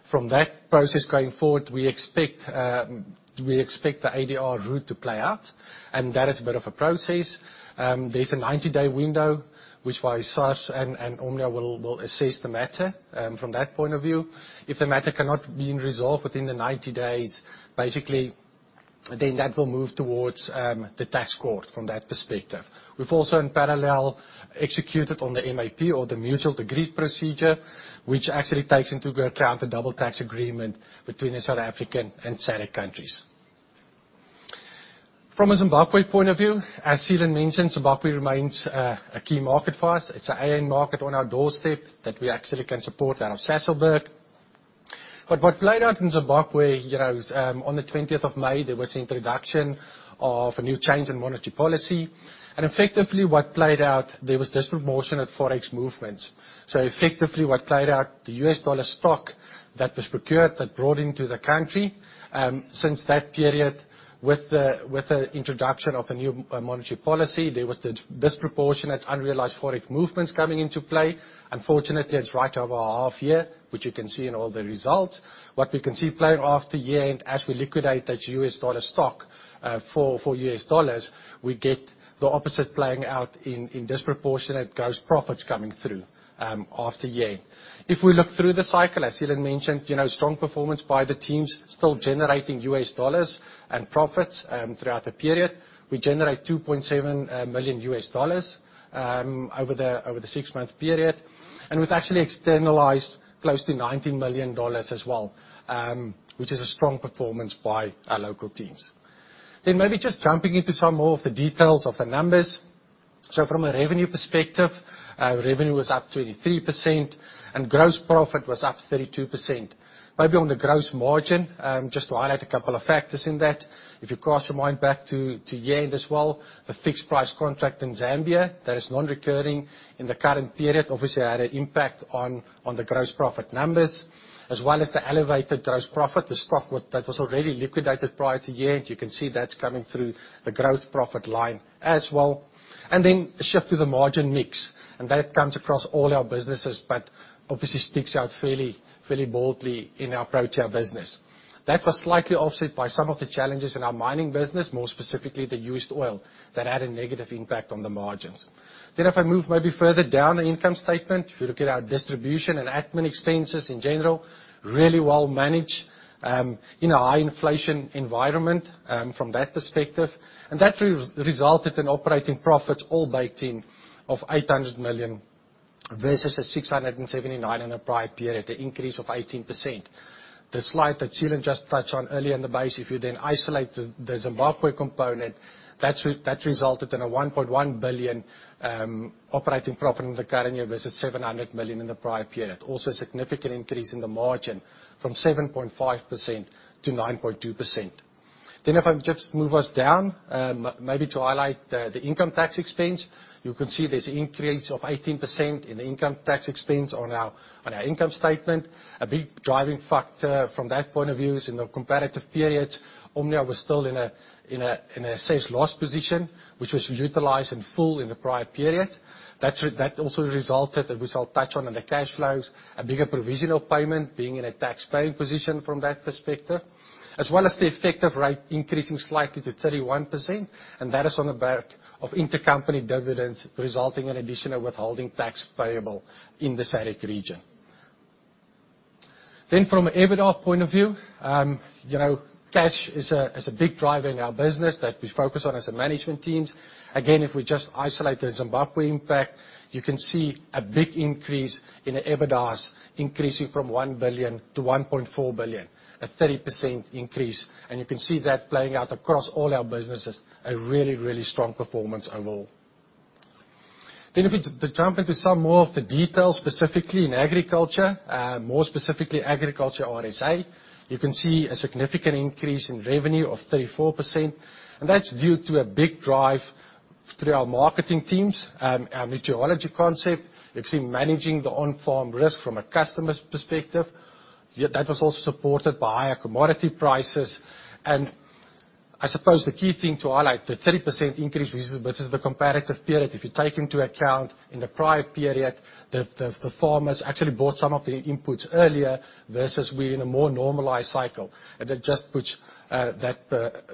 From that process going forward, we expect the ADR route to play out. That is a bit of a process. There's a 90-day window which by SARS and Omnia will assess the matter from that point of view. If the matter cannot be resolved within the 90 days, basically that will move towards the tax court from that perspective. We've also in parallel executed on the MAP or the Mutual Agreed Procedure, which actually takes into account the double tax agreement between the South African and SADC countries. From a Zimbabwe point of view, as Seelan mentioned, Zimbabwe remains a key market for us. It's an iron market on our doorstep that we actually can support out of Sasolburg. What played out in Zimbabwe, you know, is, on the 20th of May, there was introduction of a new change in monetary policy. Effectively what played out there was disproportionate Forex movements. Effectively what played out, the U.S. dollar stock that was procured, that brought into the country, since that period with the, with the introduction of the new monetary policy, there was the disproportionate unrealized Forex movements coming into play. Unfortunately, it's right over our half year, which you can see in all the results. What we can see playing out after year-end, as we liquidate that U.S. dollar stock, for U.S. dollars, we get the opposite playing out in disproportionate gross profits coming through, after year-end. If we look through the cycle, as Seelan mentioned, you know, strong performance by the teams, still generating U.S. dollars and profits throughout the period. We generate $2.7 million over the six-month period. We've actually externalized close to $19 million as well, which is a strong performance by our local teams. Maybe just jumping into some more of the details of the numbers. From a revenue perspective, revenue was up 23% and gross profit was up 32%. Maybe on the gross margin, just to highlight a couple of factors in that. If you cast your mind back to year-end as well, the fixed price contract in Zambia, that is non-recurring in the current period. Obviously, had an impact on the gross profit numbers, as well as the elevated gross profit, the stock that was already liquidated prior to year-end. You can see that's coming through the gross profit line as well. Shift to the margin mix, and that comes across all our businesses, but obviously sticks out fairly boldly in our Protea business. That was slightly offset by some of the challenges in our mining business, more specifically the used oil that had a negative impact on the margins. If I move maybe further down the income statement, if you look at our distribution and admin expenses in general, really well managed in a high inflation environment from that perspective. That re-resulted in operating profits all baked in of 800 million versus 679 million in the prior period, an increase of 18%. The slide that Seelan just touched on earlier in the base, if you then isolate the Zimbabwe component, that resulted in a 1.1 billion operating profit in the current year versus 700 million in the prior period. Also a significant increase in the margin from 7.5% to 9.2%. If I just move us down, maybe to highlight the income tax expense. You can see there's increase of 18% in the income tax expense on our income statement. A big driving factor from that point of view is in the comparative period, Omnia was still in a sales loss position, which was utilized in full in the prior period. That also resulted, and which I'll touch on in the cash flows, a bigger provisional payment being in a tax-paying position from that perspective, as well as the effective rate increasing slightly to 31%, that is on the back of intercompany dividends resulting in additional withholding tax payable in the SADC region. From an EBITDA point of view, you know, cash is a big driver in our business that we focus on as the management teams. If we just isolate the Zimbabwe impact, you can see a big increase in the EBITDA, increasing from 1 billion to 1.4 billion, a 30% increase. You can see that playing out across all our businesses, a really strong performance overall. If we jump into some more of the details, specifically in agriculture, more specifically agriculture RSA, you can see a significant increase in revenue of 34%. That's due to a big drive through our marketing teams, our rhizology concept. You've seen managing the on-farm risk from a customer's perspective. That was also supported by higher commodity prices, I suppose the key thing to highlight, the 30% increase versus the comparative period. If you take into account in the prior period, the farmers actually bought some of the inputs earlier, versus we're in a more normalized cycle. It just puts that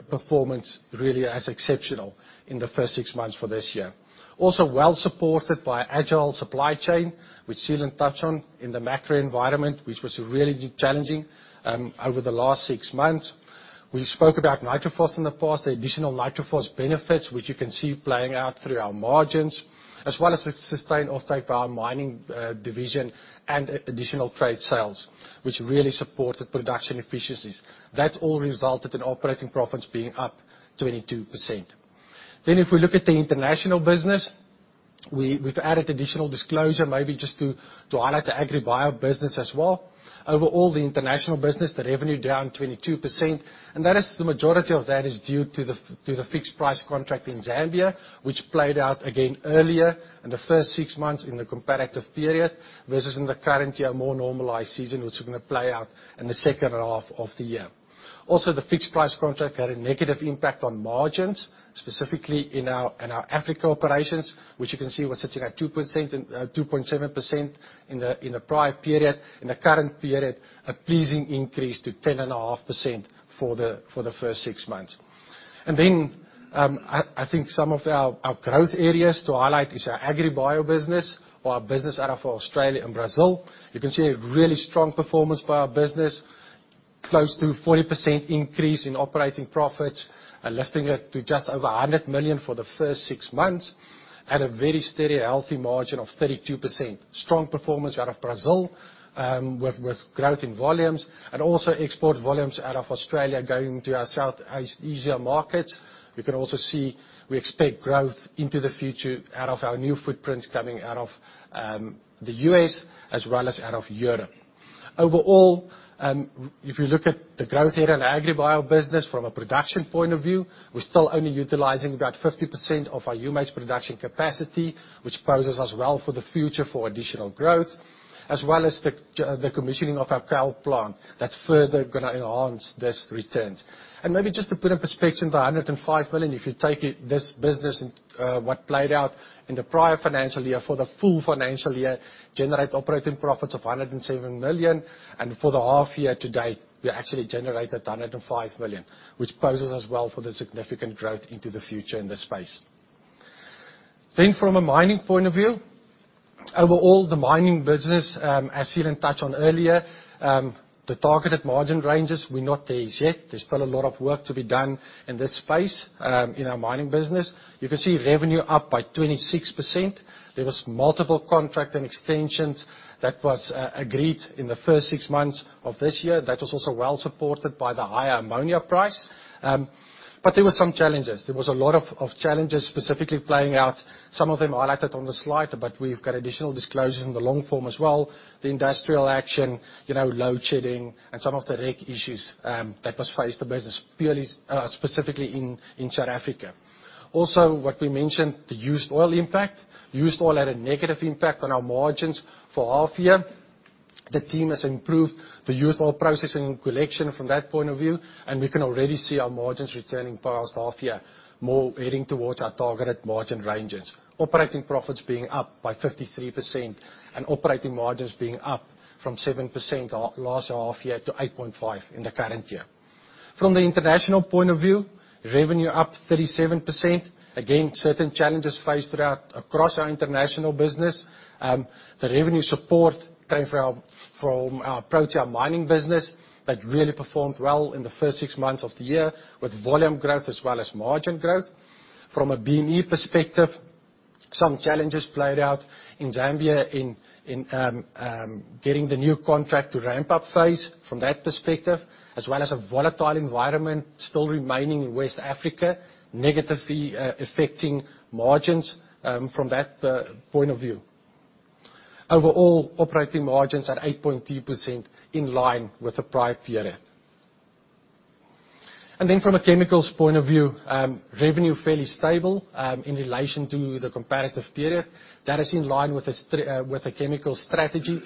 performance really as exceptional in the first six months for this year. Well supported by agile supply chain, which Seelan touched on in the macro environment, which was really challenging over the last six months. We spoke about Nitrophos in the past, the additional Nitrophos benefits, which you can see playing out through our margins, as well as a sustained offtake by our mining division and additional trade sales, which really supported production efficiencies. That all resulted in operating profits being up 22%. If we look at the international business, we've added additional disclosure, maybe just to highlight the AgriBio business as well. Overall, the international business, the revenue down 22%, and that is the majority of that is due to the fixed priced contract in Zambia which played out the game earlier in the first six months in the comperative period. Also, the fixed price contract had a negative impact on margins, specifically in our Africa operations, which you can see was sitting at 2%, 2.7% in the prior period. In the current period, a pleasing increase to 10.5% for the first six months. I think some of our growth areas to highlight is our AgriBio business or our business out of Australia and Brazil. You can see really strong performance by our business. Close to 40% increase in operating profits, lifting it to just over 100 million for the first six months at a very steady, healthy margin of 32%. Strong performance out of Brazil, with growth in volumes and also export volumes out of Australia going to our Southeast Asia markets. You can also see we expect growth into the future out of our new footprints coming out of the U.S. as well as out of Europe. Overall, if you look at the growth here in AgriBio business from a production point of view, we're still only utilizing about 50% of our humate production capacity, which poses us well for the future for additional growth, as well as the commissioning of our Kouga plant that's further gonna enhance this return. Maybe just to put in perspective the 105 million, if you take it, this business and what played out in the prior financial year, for the full financial year, generate operating profits of 107 million. For the half year today, we actually generated 105 million, which poses us well for the significant growth into the future in this space. From a mining point of view, overall the mining business, as Seelan touched on earlier, the targeted margin ranges, we're not there as yet. There's still a lot of work to be done in this space, in our mining business. You can see revenue up by 26%. There was multiple contract and extensions that was agreed in the first six months of this year. That was also well supported by the higher ammonia price. There were some challenges. There was a lot of challenges specifically playing out, some of them highlighted on the slide, but we've got additional disclosures in the long form as well. The industrial action, you know, load shedding and some of the [RCR ]issues that was faced the business specifically in South Africa. What we mentioned, the used oil impact. Used oil had a negative impact on our margins for half year. The team has improved the used oil processing and collection from that point of view, and we can already see our margins returning past half year, more heading towards our targeted margin ranges. Operating profits being up by 53% and operating margins being up from 7% last half year to 8.5% in the current year. From the international point of view, revenue up 37%. Certain challenges faced throughout across our international business. The revenue support came from our Protea mining business that really performed well in the first 6 months of the year with volume growth as well as margin growth. From a BME perspective, some challenges played out in Zambia in getting the new contract to ramp-up phase from that perspective, as well as a volatile environment still remaining in West Africa, negatively affecting margins from that point of view. Overall, operating margins at 8.2% in line with the prior period. From a chemicals point of view, revenue fairly stable in relation to the comparative period. That is in line with the chemical strategy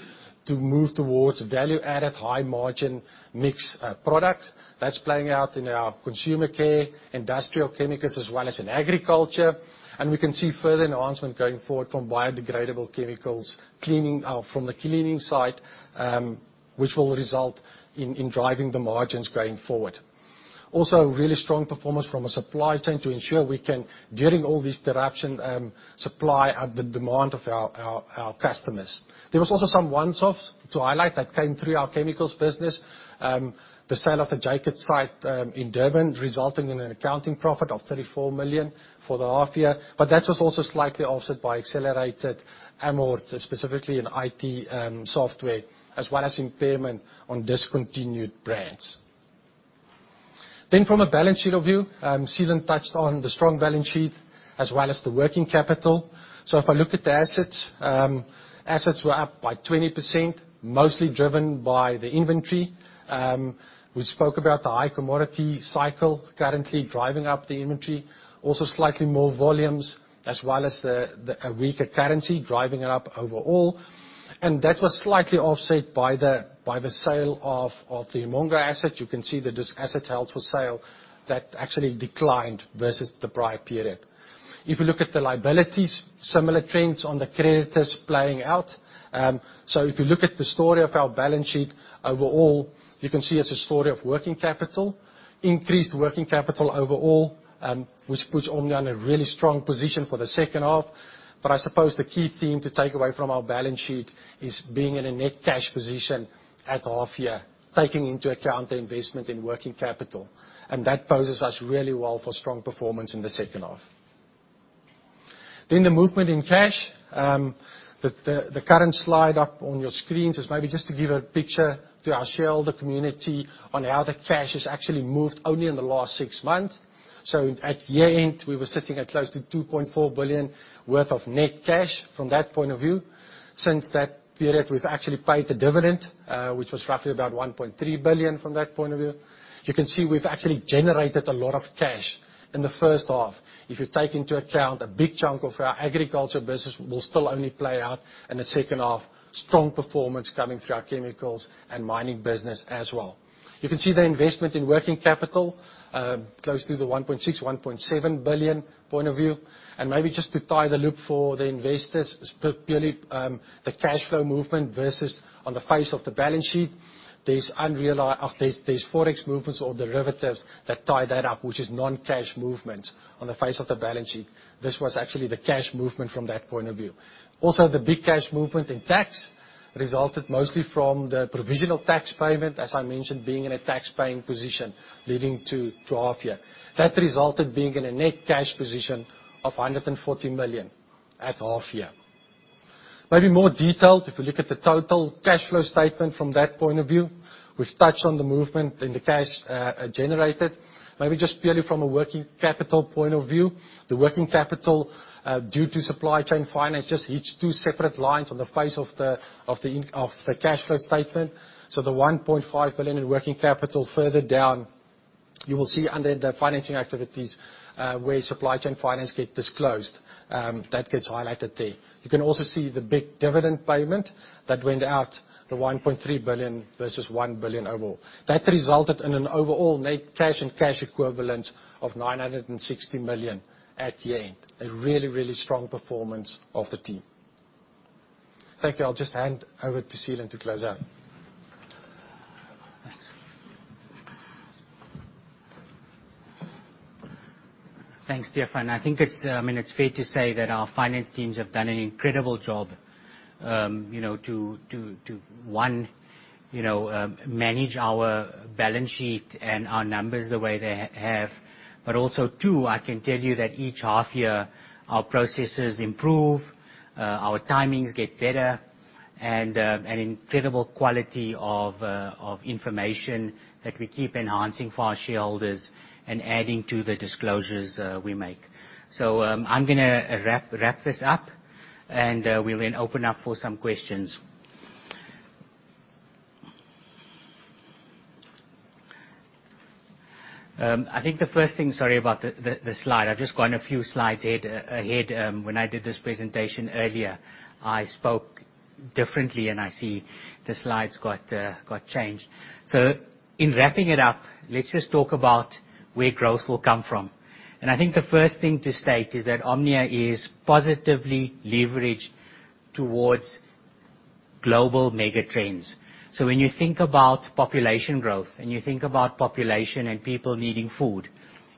to move towards value-added, high margin mix products. That's playing out in our consumer care, industrial chemicals, as well as in agriculture. We can see further enhancement going forward from biodegradable chemicals, from the cleaning side, which will result in driving the margins going forward. Also, really strong performance from a supply chain to ensure we can, during all this disruption, supply at the demand of our customers. There was also some one-offs to highlight that came through our chemicals business. The sale of the Jacobs site in Durban resulting in an accounting profit of 34 million for the half year. That was also slightly offset by accelerated amort, specifically in IT software, as well as impairment on discontinued brands. From a balance sheet review, Seelan touched on the strong balance sheet as well as the working capital. If I look at the assets were up by 20%, mostly driven by the inventory. We spoke about the high commodity cycle currently driving up the inventory. Also, slightly more volumes as well as a weaker currency driving it up overall. That was slightly offset by the sale of the Umongo asset. You can see that this asset held for sale, that actually declined versus the prior period. If you look at the liabilities, similar trends on the creditors playing out. If you look at the story of our balance sheet overall, you can see it's a story of working capital. Increased working capital overall, which puts Omnia in a really strong position for the second half. I suppose the key theme to take away from our balance sheet is being in a net cash position at half year, taking into account the investment in working capital, and that bodes us really well for strong performance in the second half. The movement in cash. The current slide up on your screens is maybe just to give a picture to our shareholder community on how the cash has actually moved only in the last six months. At year-end, we were sitting at close to 2.4 billion worth of net cash from that point of view. Since that period, we've actually paid the dividend, which was roughly about 1.3 billion from that point of view. You can see we've actually generated a lot of cash in the first half. If you take into account a big chunk of our agriculture business will still only play out in the second half. Strong performance coming through our chemicals and mining business as well. You can see the investment in working capital, close to the 1.6 billion-1.7 billion point of view. Maybe just to tie the loop for the investors, purely, the cash flow movement versus on the face of the balance sheet. There's Forex movements or derivatives that tie that up, which is non-cash movements on the face of the balance sheet. This was actually the cash movement from that point of view. The big cash movement in tax resulted mostly from the provisional tax payment, as I mentioned, being in a tax paying position leading to half year. That resulted being in a net cash position of 140 million at half year. More detailed, if you look at the total cash flow statement from that point of view, we've touched on the movement in the cash generated. Just purely from a working capital point of view, the working capital due to supply chain finances, each two separate lines on the face of the cash flow statement. The 1.5 billion in working capital further down, you will see under the financing activities where supply chain finance get disclosed, that gets highlighted there. You can also see the big dividend payment that went out, the 1.3 billion versus 1 billion overall. That resulted in an overall net cash and cash equivalent of 960 million at year-end. A really, really strong performance of the team. Thank you. I'll just hand over to Seelan to close out. Thanks, Stephan. I think it's, I mean, it's fair to say that our finance teams have done an incredible job, you know, to one, you know, manage our balance sheet and our numbers the way they have, but also, two, I can tell you that each half year, our processes improve, our timings get better and an incredible quality of information that we keep enhancing for our shareholders and adding to the disclosures we make. I'm gonna wrap this up, and we'll then open up for some questions. I think the first thing, sorry about the slide. I've just gone a few slides ahead when I did this presentation earlier. I spoke differently, and I see the slides got changed. In wrapping it up, let's just talk about where growth will come from. I think the first thing to state is that Omnia is positively leveraged towards global mega trends. When you think about population growth, and you think about population and people needing food,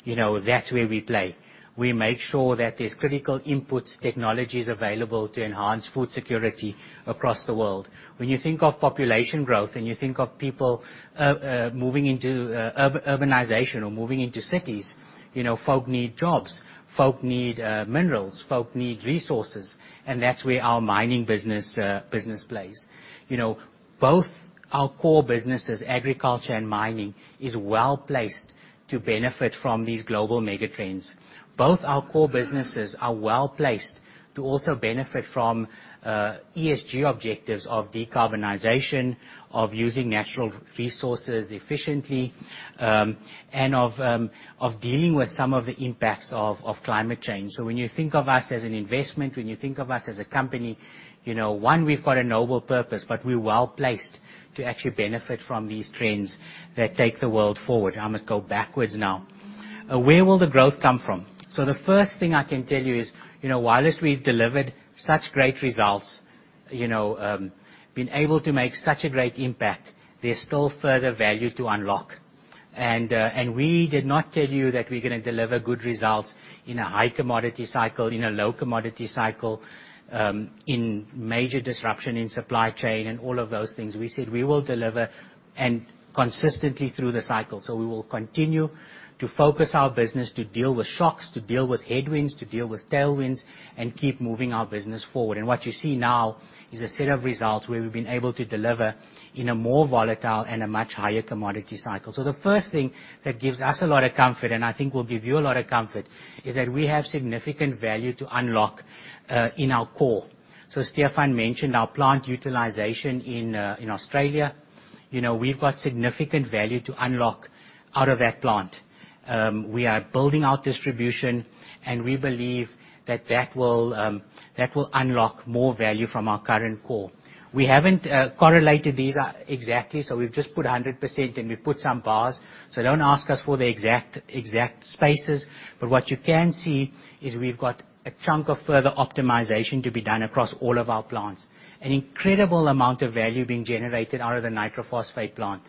you know, that's where we play. We make sure that there's critical inputs, technologies available to enhance food security across the world. When you think of population growth, and you think of people moving into urbanization or moving into cities, you know, folk need jobs, folk need minerals, folk need resources, and that's where our mining business plays. You know, both our core businesses, agriculture and mining, is well-placed to benefit from these global mega trends. Both our core businesses are well-placed to also benefit from ESG objectives of decarbonization, of using natural resources efficiently, and of dealing with some of the impacts of climate change. When you think of us as an investment, when you think of us as a company, you know, one, we've got a noble purpose, but we're well-placed to actually benefit from these trends that take the world forward. I must go backwards now. Where will the growth come from? The first thing I can tell you is, you know, whilst we've delivered such great results, you know, been able to make such a great impact, there's still further value to unlock. We did not tell you that we're gonna deliver good results in a high commodity cycle, in a low commodity cycle, in major disruption in supply chain and all of those things. We said we will deliver consistently through the cycle. We will continue to focus our business, to deal with shocks, to deal with headwinds, to deal with tailwinds and keep moving our business forward. What you see now is a set of results where we've been able to deliver in a more volatile and a much higher commodity cycle. The first thing that gives us a lot of comfort, and I think will give you a lot of comfort, is that we have significant value to unlock in our core. Stephan mentioned our plant utilization in Australia. You know, we've got significant value to unlock out of that plant. We are building out distribution, and we believe that that will unlock more value from our current core. We haven't correlated these exactly, so we've just put 100% and we've put some bars. Don't ask us for the exact spaces, but what you can see is we've got a chunk of further optimization to be done across all of our plants. An incredible amount of value being generated out of the nitrophosphate plant.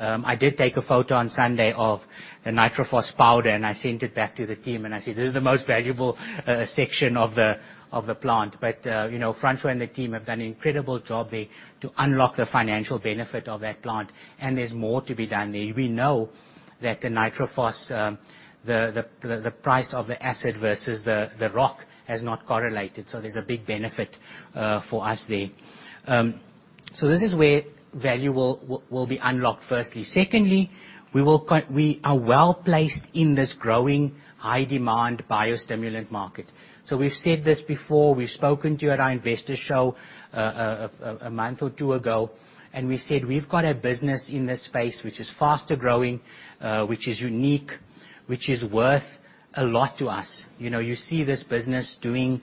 I did take a photo on Sunday of the Nitrophos powder, and I sent it back to the team, and I said, "This is the most valuable section of the plant." You know, Francois and the team have done an incredible job there to unlock the financial benefit of that plant, and there's more to be done there. We know that the Nitrophos, the price of the acid versus the rock has not correlated, there's a big benefit for us there. This is where value will be unlocked firstly. Secondly, we are well-placed in this growing high-demand biostimulant market. We've said this before, we've spoken to you at our investor show a month or two ago, and we said we've got a business in this space which is faster-growing, which is unique, which is worth a lot to us. You know, you see this business doing,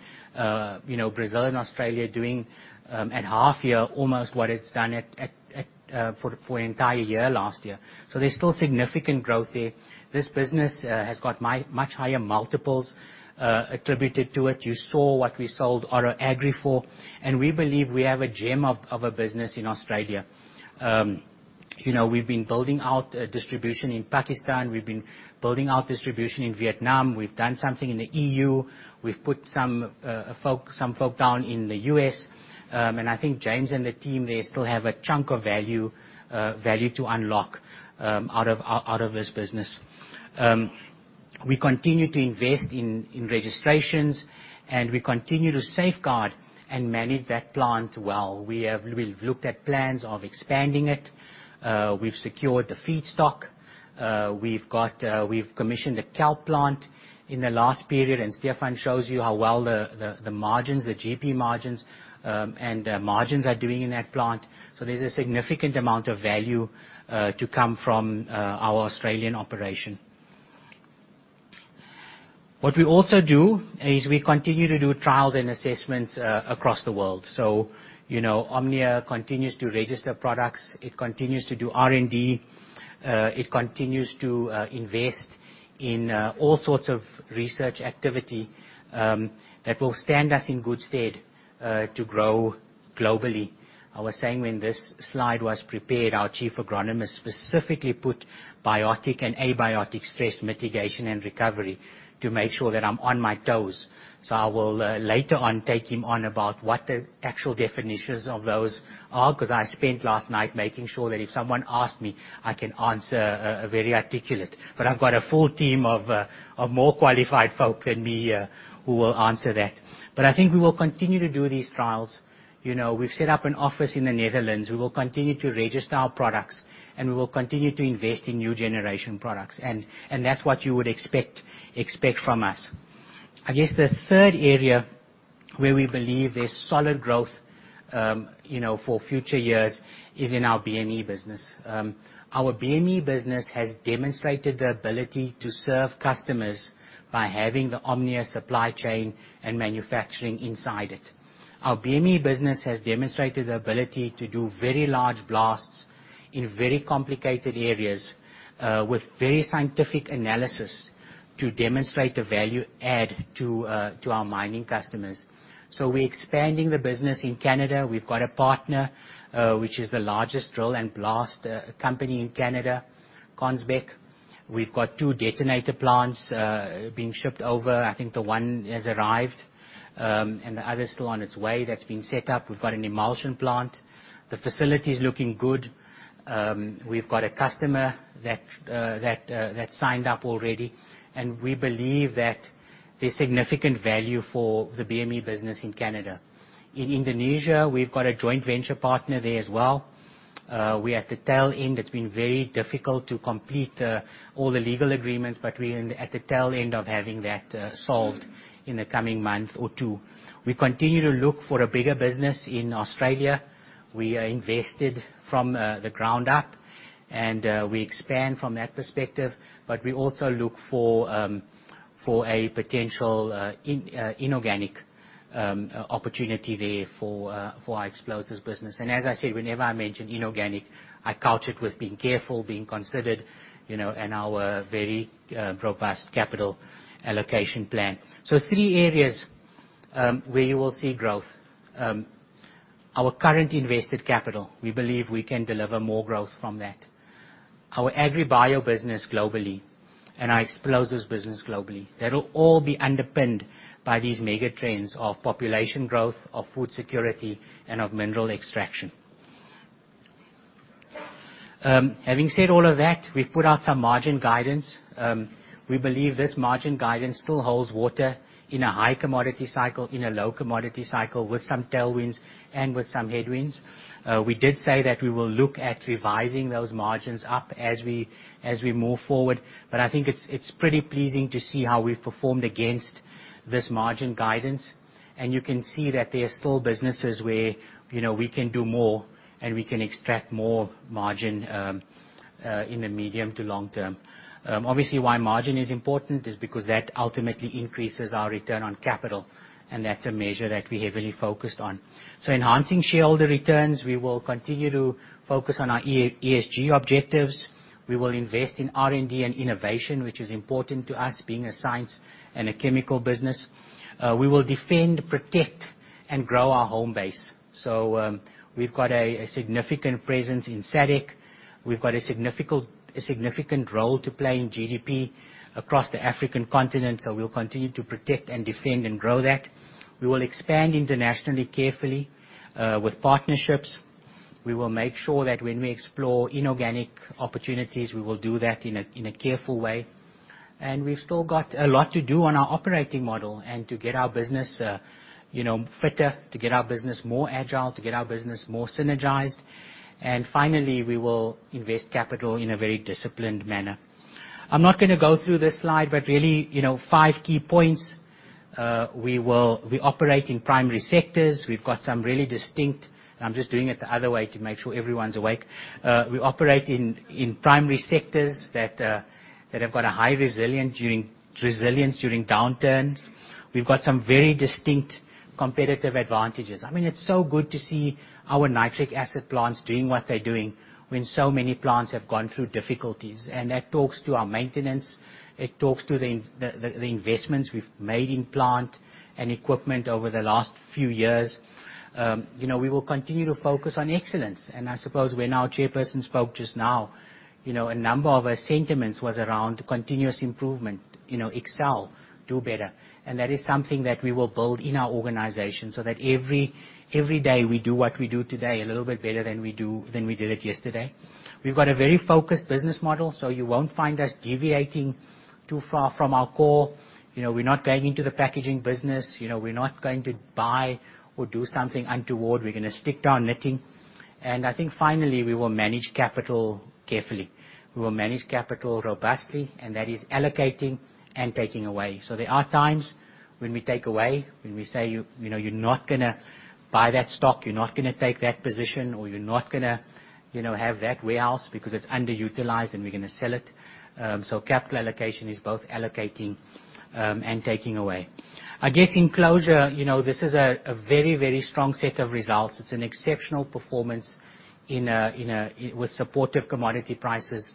you know, Brazil and Australia doing at half year almost what it's done at for an entire year last year. There's still significant growth there. This business has got much higher multiples attributed to it. You saw what we sold Oro Agri for, and we believe we have a gem of a business in Australia. You know, we've been building out distribution in Pakistan. We've been building out distribution in Vietnam. We've done something in the EU. We've put some folk down in the U.S. I think James and the team there still have a chunk of value to unlock out of this business. We continue to invest in registrations, and we continue to safeguard and manage that plant well. We've looked at plans of expanding it. We've secured the feedstock. We've got, we've commissioned a calc plant in the last period, and Stephan shows you how well the margins, the GP margins, and margins are doing in that plant. There's a significant amount of value to come from our Australian operation. What we also do is we continue to do trials and assessments across the world. You know, Omnia continues to register products. It continues to do R&D. It continues to invest in all sorts of research activity that will stand us in good stead to grow globally. I was saying when this slide was prepared, our chief agronomist specifically put biotic and abiotic stress mitigation and recovery to make sure that I'm on my toes. I will later on take him on about what the actual definitions of those are, 'cause I spent last night making sure that if someone asked me, I can answer very articulate. I've got a full team of more qualified folk than me here who will answer that. I think we will continue to do these trials. You know, we've set up an office in the Netherlands. We will continue to register our products, and we will continue to invest in new generation products. That's what you would expect from us. I guess the third area where we believe there's solid growth, you know, for future years is in our BME business. Our BME business has demonstrated the ability to serve customers by having the Omnia supply chain and manufacturing inside it. Our BME business has demonstrated the ability to do very large blasts in very complicated areas, with very scientific analysis to demonstrate the value add to our mining customers. We're expanding the business in Canada. We've got a partner, which is the largest drill and blast company in Canada, Consbec. We've got two detonator plants being shipped over. I think the one has arrived, and the other's still on its way. That's been set up. We've got an emulsion plant. The facility is looking good. We've got a customer that signed up already. We believe that there's significant value for the BME business in Canada. In Indonesia, we've got a joint venture partner there as well. We're at the tail end. It's been very difficult to complete, all the legal agreements, but we're at the tail end of having that solved in the coming month or two. We continue to look for a bigger business in Australia. We are invested from the ground up, and we expand from that perspective, but we also look for a potential inorganic opportunity there for our explosives business. As I said, whenever I mention inorganic, I couch it with being careful, being considered, you know, and our very robust capital allocation plan. Three areas where you will see growth. Our current invested capital, we believe we can deliver more growth from that. Our AgriBio business globally and our explosives business globally. That'll all be underpinned by these mega trends of population growth, of food security, and of mineral extraction. Having said all of that, we've put out some margin guidance. We believe this margin guidance still holds water in a high commodity cycle, in a low commodity cycle, with some tailwinds and with some headwinds. We did say that we will look at revising those margins up as we move forward, but I think it's pretty pleasing to see how we've performed against this margin guidance. You can see that there are still businesses where, you know, we can do more, and we can extract more margin in the medium to long term. Obviously, why margin is important is because that ultimately increases our return on capital, and that's a measure that we heavily focused on. Enhancing shareholder returns, we will continue to focus on our ESG objectives. We will invest in R&D and innovation, which is important to us being a science and a chemical business. We will defend, protect, and grow our home base. We've got a significant presence in SADC. We've got a significant role to play in GDP across the African continent, so we'll continue to protect and defend and grow that. We will expand internationally carefully with partnerships. We will make sure that when we explore inorganic opportunities, we will do that in a careful way. We've still got a lot to do on our operating model and to get our business, you know, fitter, to get our business more agile, to get our business more synergized. Finally, we will invest capital in a very disciplined manner. I'm not gonna go through this slide, but really, you know, five key points. We operate in primary sectors. I'm just doing it the other way to make sure everyone's awake. We operate in primary sectors that have got a high resilience during downturns. We've got some very distinct competitive advantages. I mean, it's so good to see our nitric acid plants doing what they're doing when so many plants have gone through difficulties. That talks to our maintenance. It talks to the investments we've made in plant and equipment over the last few years. You know, we will continue to focus on excellence. I suppose when our chairperson spoke just now, you know, a number of our sentiments was around continuous improvement, you know, excel, do better. That is something that we will build in our organization so that every day we do what we do today a little bit better than we did it yesterday. We've got a very focused business model, you won't find us deviating too far from our core. You know, we're not going into the packaging business. You know, we're not going to buy or do something untoward. We're gonna stick to our knitting. I think finally, we will manage capital carefully. We will manage capital robustly, and that is allocating and taking away. There are times when we take away, when we say you know, you're not gonna buy that stock, you're not gonna take that position, or you're not gonna, you know, have that warehouse because it's underutilized, and we're gonna sell it. Capital allocation is both allocating and taking away. I guess in closure, you know, this is a very, very strong set of results. It's an exceptional performance with supportive commodity prices.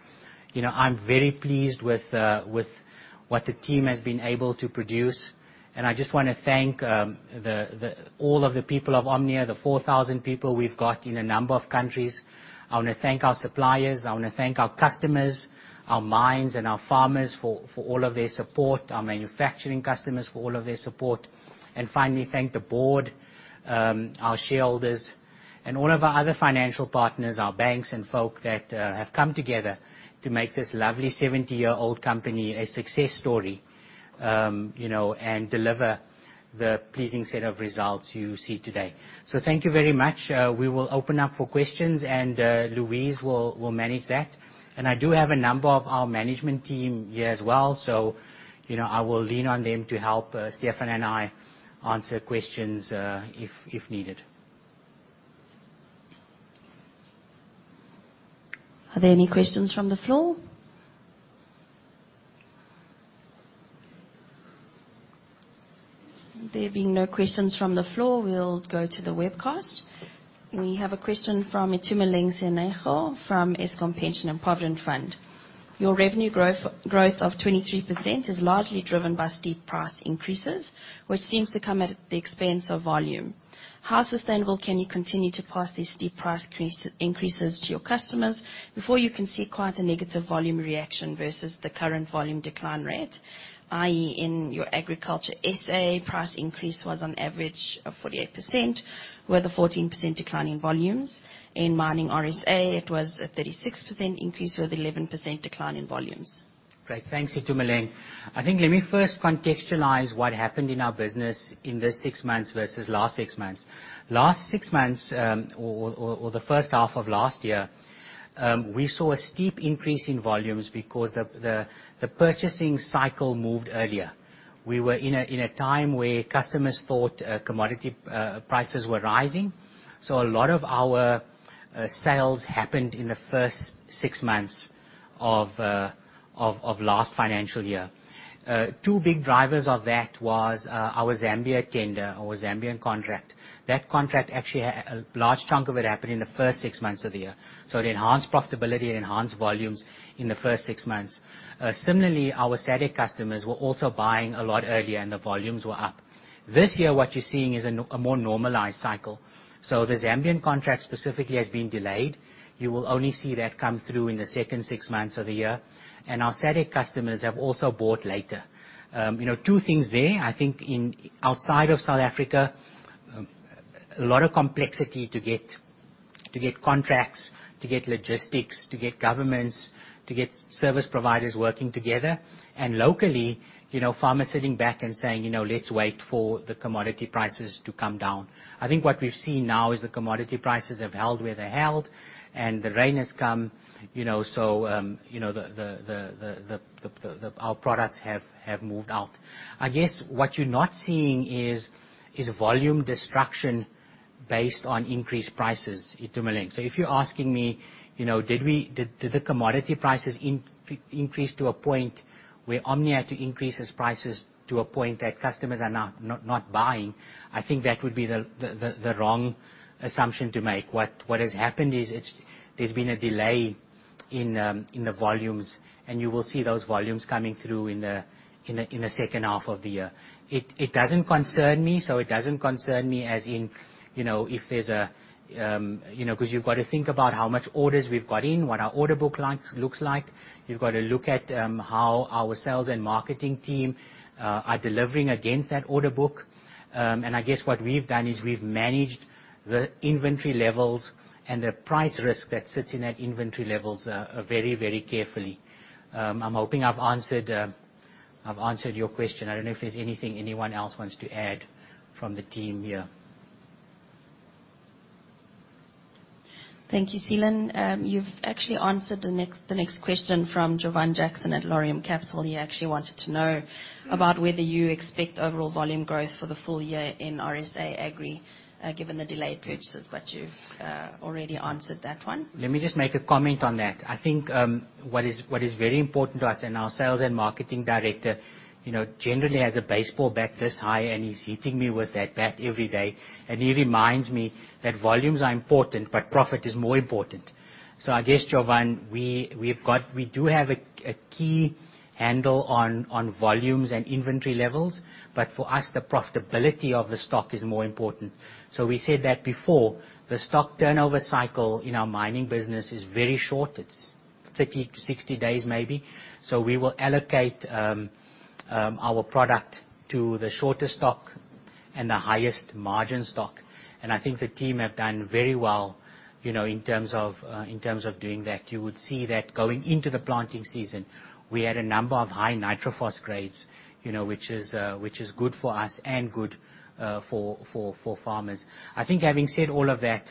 You know, I'm very pleased with what the team has been able to produce. I just wanna thank all of the people of Omnia, the 4,000 people we've got in a number of countries. I wanna thank our suppliers. I wanna thank our customers, our mines, and our farmers for all of their support, our manufacturing customers for all of their support. Finally thank the board, our shareholders, and all of our other financial partners, our banks and folk that have come together to make this lovely 70-year-old company a success story, you know, and deliver the pleasing set of results you see today. Thank you very much. We will open up for questions, and Louise will manage that. I do have a number of our management team here as well, so, you know, I will lean on them to help Stephan and I answer questions, if needed. Are there any questions from the floor? There being no questions from the floor, we'll go to the webcast. We have a question from Itumeleng Seanego From Eskom Pension and Provident Fund: Your revenue growth of 23% is largely driven by steep price increases, which seems to come at the expense of volume. How sustainable can you continue to pass these steep price increases to your customers before you can see quite a negative volume reaction versus the current volume decline rate? i.e., in your agriculture S.A., price increase was on average of 48%, with a 14% decline in volumes. In mining RSA, it was a 36% increase, with 11% decline in volumes. Great. Thanks, Itumeleng. I think let me first contextualize what happened in our business in this 6 months versus last six months. Last six months, or the first half of last year, we saw a steep increase in volumes because the purchasing cycle moved earlier. We were in a time where customers thought commodity prices were rising, so a lot of our sales happened in the first six months of last financial year. Two big drivers of that was our Zambia tender or Zambian contract. That contract actually a large chunk of it happened in the first six months of the year. It enhanced profitability and enhanced volumes in the first six months. Similarly, our SADC customers were also buying a lot earlier, and the volumes were up. This year, what you're seeing is a more normalized cycle. The Zambian contract specifically has been delayed. You will only see that come through in the second six months of the year. Our SADC customers have also bought later. You know, two things there. I think outside of South Africa, a lot of complexity to get, to get contracts, to get logistics, to get governments, to get service providers working together. And locally, you know, farmers sitting back and saying, "You know, let's wait for the commodity prices to come down." I think what we've seen now is the commodity prices have held where they held and the rain has come, you know, so, you know, our products have moved out. I guess what you're not seeing is volume destruction based on increased prices, Itumeleng. If you're asking me, you know, did the commodity prices increase to a point where Omnia had to increase its prices to a point that customers are now not buying, I think that would be the wrong assumption to make. What has happened is there's been a delay in the volumes, and you will see those volumes coming through in the second half of the year. It doesn't concern me. It doesn't concern me as in, you know, if there's a, you know, 'cause you've got to think about how much orders we've got in, what our order book looks like. You've got to look at how our sales and marketing team are delivering against that order book. I guess what we've done is we've managed the inventory levels and the price risk that sits in that inventory levels very carefully. I'm hoping I've answered your question. I don't know if there's anything anyone else wants to add from the team here. Thank you, Seelan. You've actually answered the next question from Jovan Jackson at Laurium Capital. He actually wanted to know about whether you expect overall volume growth for the full year in RSA Agri, given the delayed purchases. You've already answered that one. Let me just make a comment on that. I think, what is very important to us and our sales and marketing director, you know, generally has a baseball bat this high, and he's hitting me with that bat every day. He reminds me that volumes are important, but profit is more important. I guess, Jovan, we've got we do have a key handle on volumes and inventory levels, but for us, the profitability of the stock is more important. We said that before. The stock turnover cycle in our mining business is very short. It's 30-60 days maybe. We will allocate our product to the shortest stock and the highest margin stock. I think the team have done very well, you know, in terms of in terms of doing that. You would see that going into the planting season, we had a number of high Nitrophos grades, you know, which is good for us and good for farmers. I think having said all of that,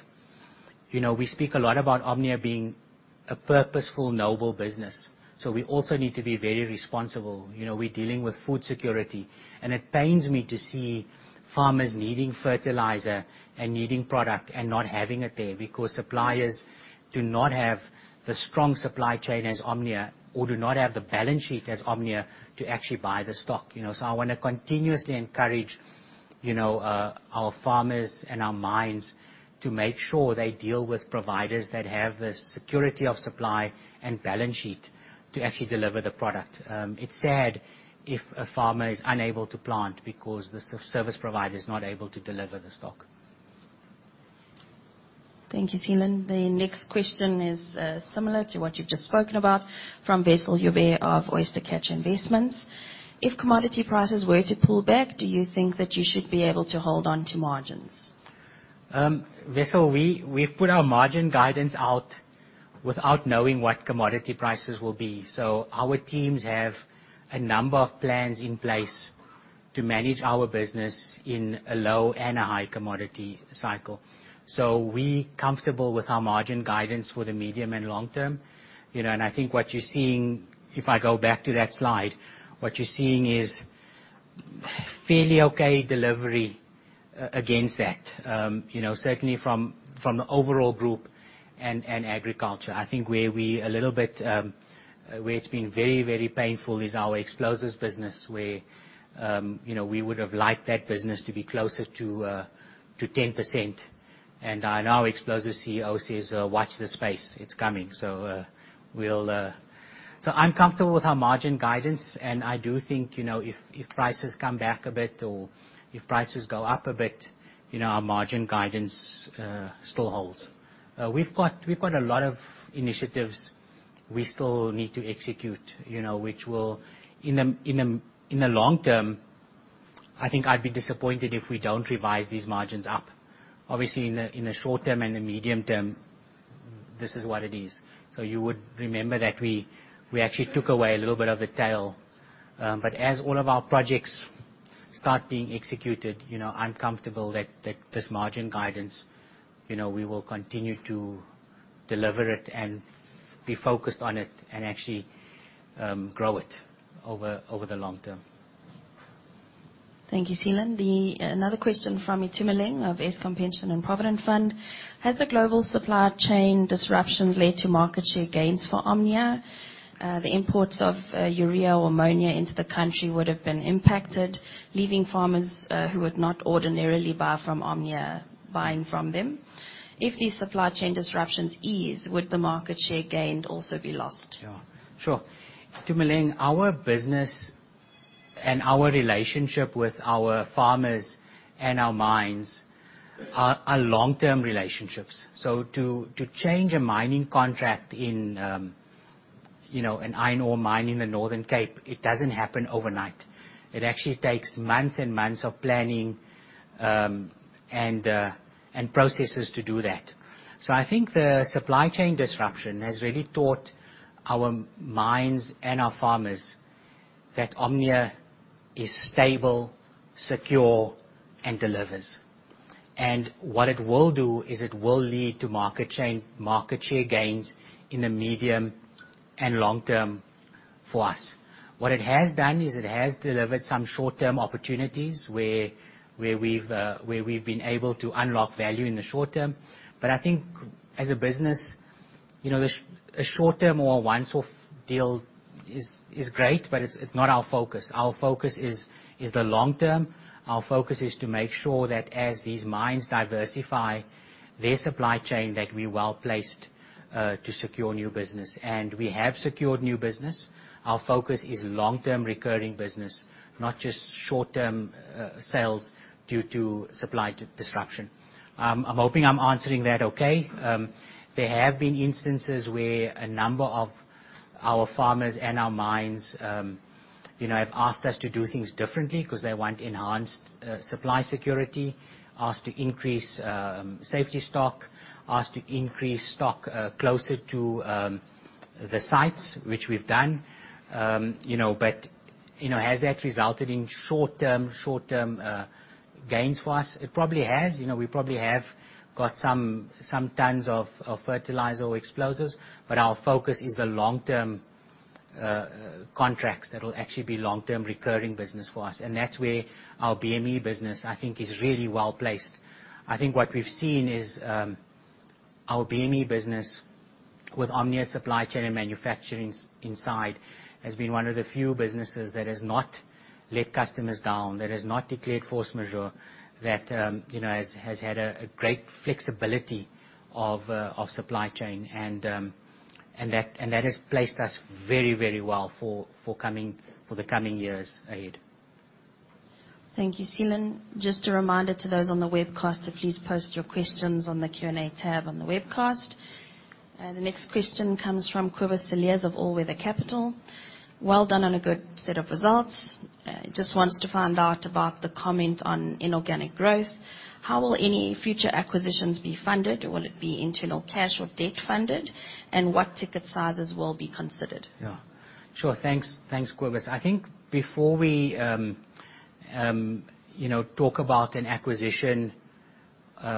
you know, we speak a lot about Omnia being a purposeful, noble business, we also need to be very responsible. You know, we're dealing with food security. It pains me to see farmers needing fertilizer and needing product and not having it there because suppliers do not have the strong supply chain as Omnia or do not have the balance sheet as Omnia to actually buy the stock, you know. I wanna continuously encourage, you know, our farmers and our mines to make sure they deal with providers that have the security of supply and balance sheet to actually deliver the product. It's sad if a farmer is unable to plant because the service provider is not able to deliver the stock. Thank you, Seelan. The next question is similar to what you've just spoken about from Wessel Joubert of Oyster Catcher Investments. If commodity prices were to pull back, do you think that you should be able to hold on to margins? Wessel, we've put our margin guidance out without knowing what commodity prices will be. Our teams have a number of plans in place to manage our business in a low and a high commodity cycle. We comfortable with our margin guidance for the medium and long term. You know, I think what you're seeing, if I go back to that slide, what you're seeing is fairly okay delivery against that. You know, certainly from the overall group and agriculture. I think where we a little bit, where it's been very, very painful is our explosives business, where, you know, we would have liked that business to be closer to 10%. Now Explosives CEO says, "Watch this space, it's coming." We'll... I'm comfortable with our margin guidance, and I do think, you know, if prices come back a bit or if prices go up a bit, you know, our margin guidance still holds. We've got a lot of initiatives we still need to execute, you know, which will in the long term, I think I'd be disappointed if we don't revise these margins up. Obviously, in the short term and the medium term, this is what it is. You would remember that we actually took away a little bit of the tail. As all of our projects start being executed, you know, I'm comfortable that this margin guidance, you know, we will continue to deliver it and be focused on it and actually grow it over the long term. Thank you, Seelan. Another question from Itumeleng of Eskom Pension and Provident Fund: Has the global supply chain disruptions led to market share gains for Omnia? The imports of urea or ammonia into the country would have been impacted, leaving farmers, who would not ordinarily buy from Omnia buying from them. If these supply chain disruptions ease, would the market share gained also be lost? Yeah, sure. Itumeleng, our business and our relationship with our farmers and our mines are long-term relationships. To change a mining contract in...You know, an iron ore mine in the Northern Cape, it doesn't happen overnight. It actually takes months and months of planning, and processes to do that. I think the supply chain disruption has really taught our mines and our farmers that Omnia is stable, secure, and delivers. What it will do is it will lead to market share gains in the medium and long term for us. What it has done is it has delivered some short-term opportunities where we've been able to unlock value in the short term. I think as a business, you know, a short term or a once-off deal is great, but it's not our focus. Our focus is the long term. Our focus is to make sure that as these mines diversify their supply chain, that we're well-placed to secure new business. We have secured new business. Our focus is long-term recurring business, not just short-term sales due to supply disruption. I'm hoping I'm answering that okay. There have been instances where a number of our farmers and our mines, you know, have asked us to do things differently 'cause they want enhanced supply security. Asked to increase safety stock, asked to increase stock closer to the sites, which we've done. You know, has that resulted in short-term gains for us? It probably has. You know, we probably have got some tons of fertilizer or explosives, but our focus is the long-term contracts that will actually be long-term recurring business for us. That's where our BME business, I think, is really well-placed. I think what we've seen is, our BME business with Omnia supply chain and manufacturing's inside has been one of the few businesses that has not let customers down, that has not declared force majeure, that, you know, has had a great flexibility of supply chain and that has placed us very, very well for the coming years ahead. Thank you, Seelan. Just a reminder to those on the webcast to please post your questions on the Q&A tab on the webcast. The next question comes from Cobus Cilliers’ of All Weather Capital. Well done on a good set of results. Just wants to find out about the comment on inorganic growth. How will any future acquisitions be funded? Will it be internal cash or debt-funded? What ticket sizes will be considered? Yeah. Sure. Thanks. Thanks, Cobus. I think before we, you know, talk about an acquisition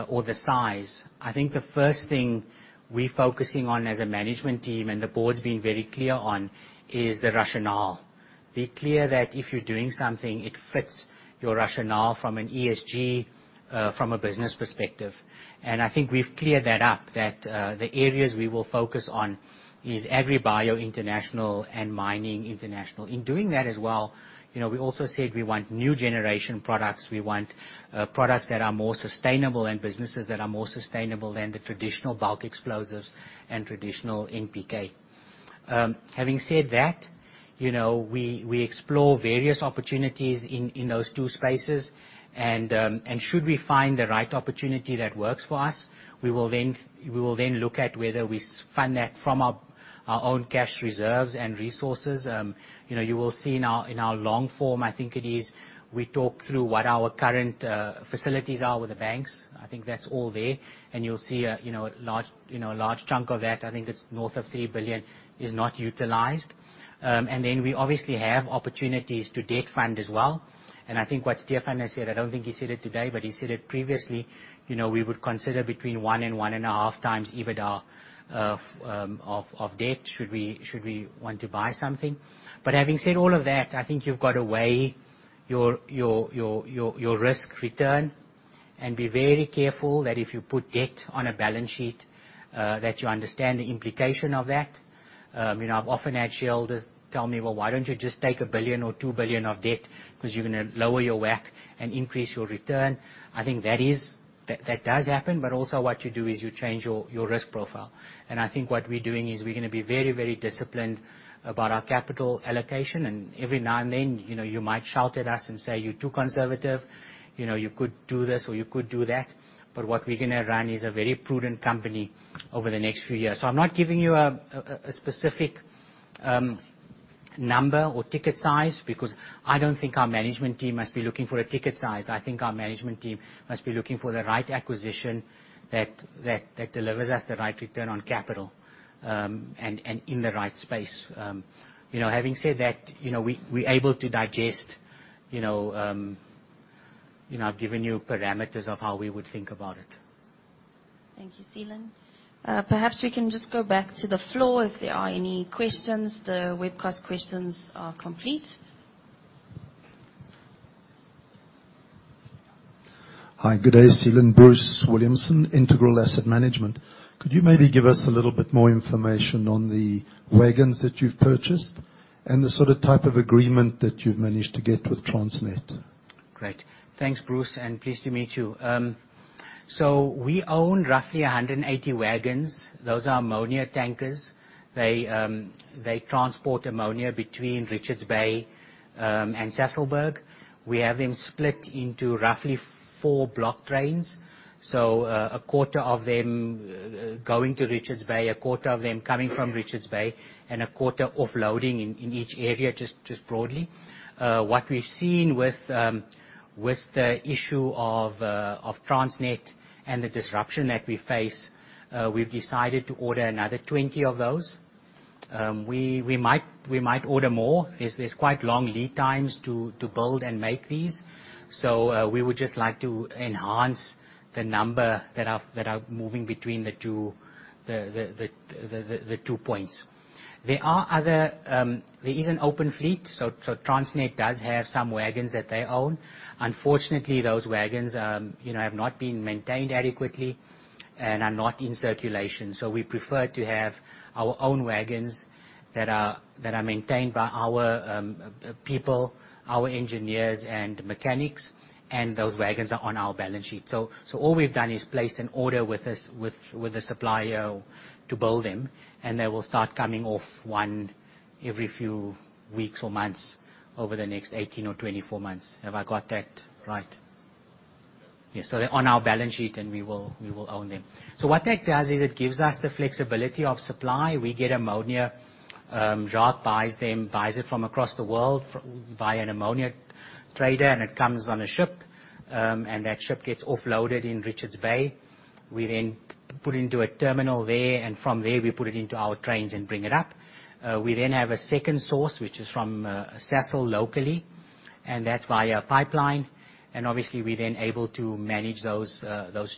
or the size, I think the first thing we're focusing on as a management team, and the board's been very clear on, is the rationale. Be clear that if you're doing something, it fits your rationale from an ESG, from a business perspective. I think we've cleared that up, that the areas we will focus on is AgriBio International and Mining International. In doing that as well, you know, we also said we want new generation products. We want products that are more sustainable and businesses that are more sustainable than the traditional bulk explosives and traditional NPK. Having said that, you know, we explore various opportunities in those two spaces. Should we find the right opportunity that works for us, we will then look at whether we fund that from our own cash reserves and resources. You know, you will see in our long form, I think it is, we talk through what our current facilities are with the banks. I think that's all there. And you'll see a large chunk of that, I think it's north of 3 billion, is not utilized. Then we obviously have opportunities to debt fund as well. I think what Stephan has said, I don't think he said it today, but he said it previously, you know, we would consider between 1 and 1.5x EBITDA of debt should we want to buy something. Having said all of that, I think you've got to weigh your risk return and be very careful that if you put debt on a balance sheet, that you understand the implication of that. You know, I've often had shareholders tell me, "Well, why don't you just take 1 billion or 2 billion of debt because you're gonna lower your WACC and increase your return?" I think that does happen, but also what you do is you change your risk profile. I think what we're doing is we're gonna be very, very disciplined about our capital allocation. Every now and then, you know, you might shout at us and say, "You're too conservative. You know, you could do this or you could do that." What we're gonna run is a very prudent company over the next few years. I'm not giving you a specific number or ticket size because I don't think our management team must be looking for a ticket size. I think our management team must be looking for the right acquisition that delivers us the right return on capital and in the right space. You know, having said that, you know, we're able to digest, you know, I've given you parameters of how we would think about it. Thank you, Seelan. Perhaps we can just go back to the floor if there are any questions? The webcast questions are complete. Hi. Good day, Seelan. Bruce Williamson, Integral Asset Management. Could you maybe give us a little bit more information on the wagons that you've purchased and the sort of type of agreement that you've managed to get with Transnet? Great. Thanks, Bruce, and pleased to meet you. We own roughly 180 wagons. Those are ammonia tankers. They transport ammonia between Richards Bay and Sasolburg. We have them split into roughly four block trains. A quarter of them going to Richards Bay, a quarter of them coming from Richards Bay, and a quarter offloading in each area, just broadly. What we've seen with the issue of Transnet and the disruption that we face, we've decided to order another 20 of those. We might order more. There's quite long lead times to build and make these. We would just like to enhance the number that are moving between the two points. There are other. there is an open fleet, Transnet does have some wagons that they own. Unfortunately, those wagons, you know, have not been maintained adequately and are not in circulation. We prefer to have our own wagons that are maintained by our people, our engineers and mechanics, and those wagons are on our balance sheet. All we've done is placed an order with the supplier to build them, and they will start coming off one every few weeks or months over the next 18 or 24 months. Have I got that right? Yes. They're on our balance sheet, and we will own them. What that does is it gives us the flexibility of supply. We get ammonia. Jacques buys them, buys it from across the world via an ammonia trader, and it comes on a ship. That ship gets offloaded in Richards Bay. We then put into a terminal there, and from there, we put it into our trains and bring it up. We then have a second source, which is from Sasol locally, and that's via pipeline. Obviously we're then able to manage those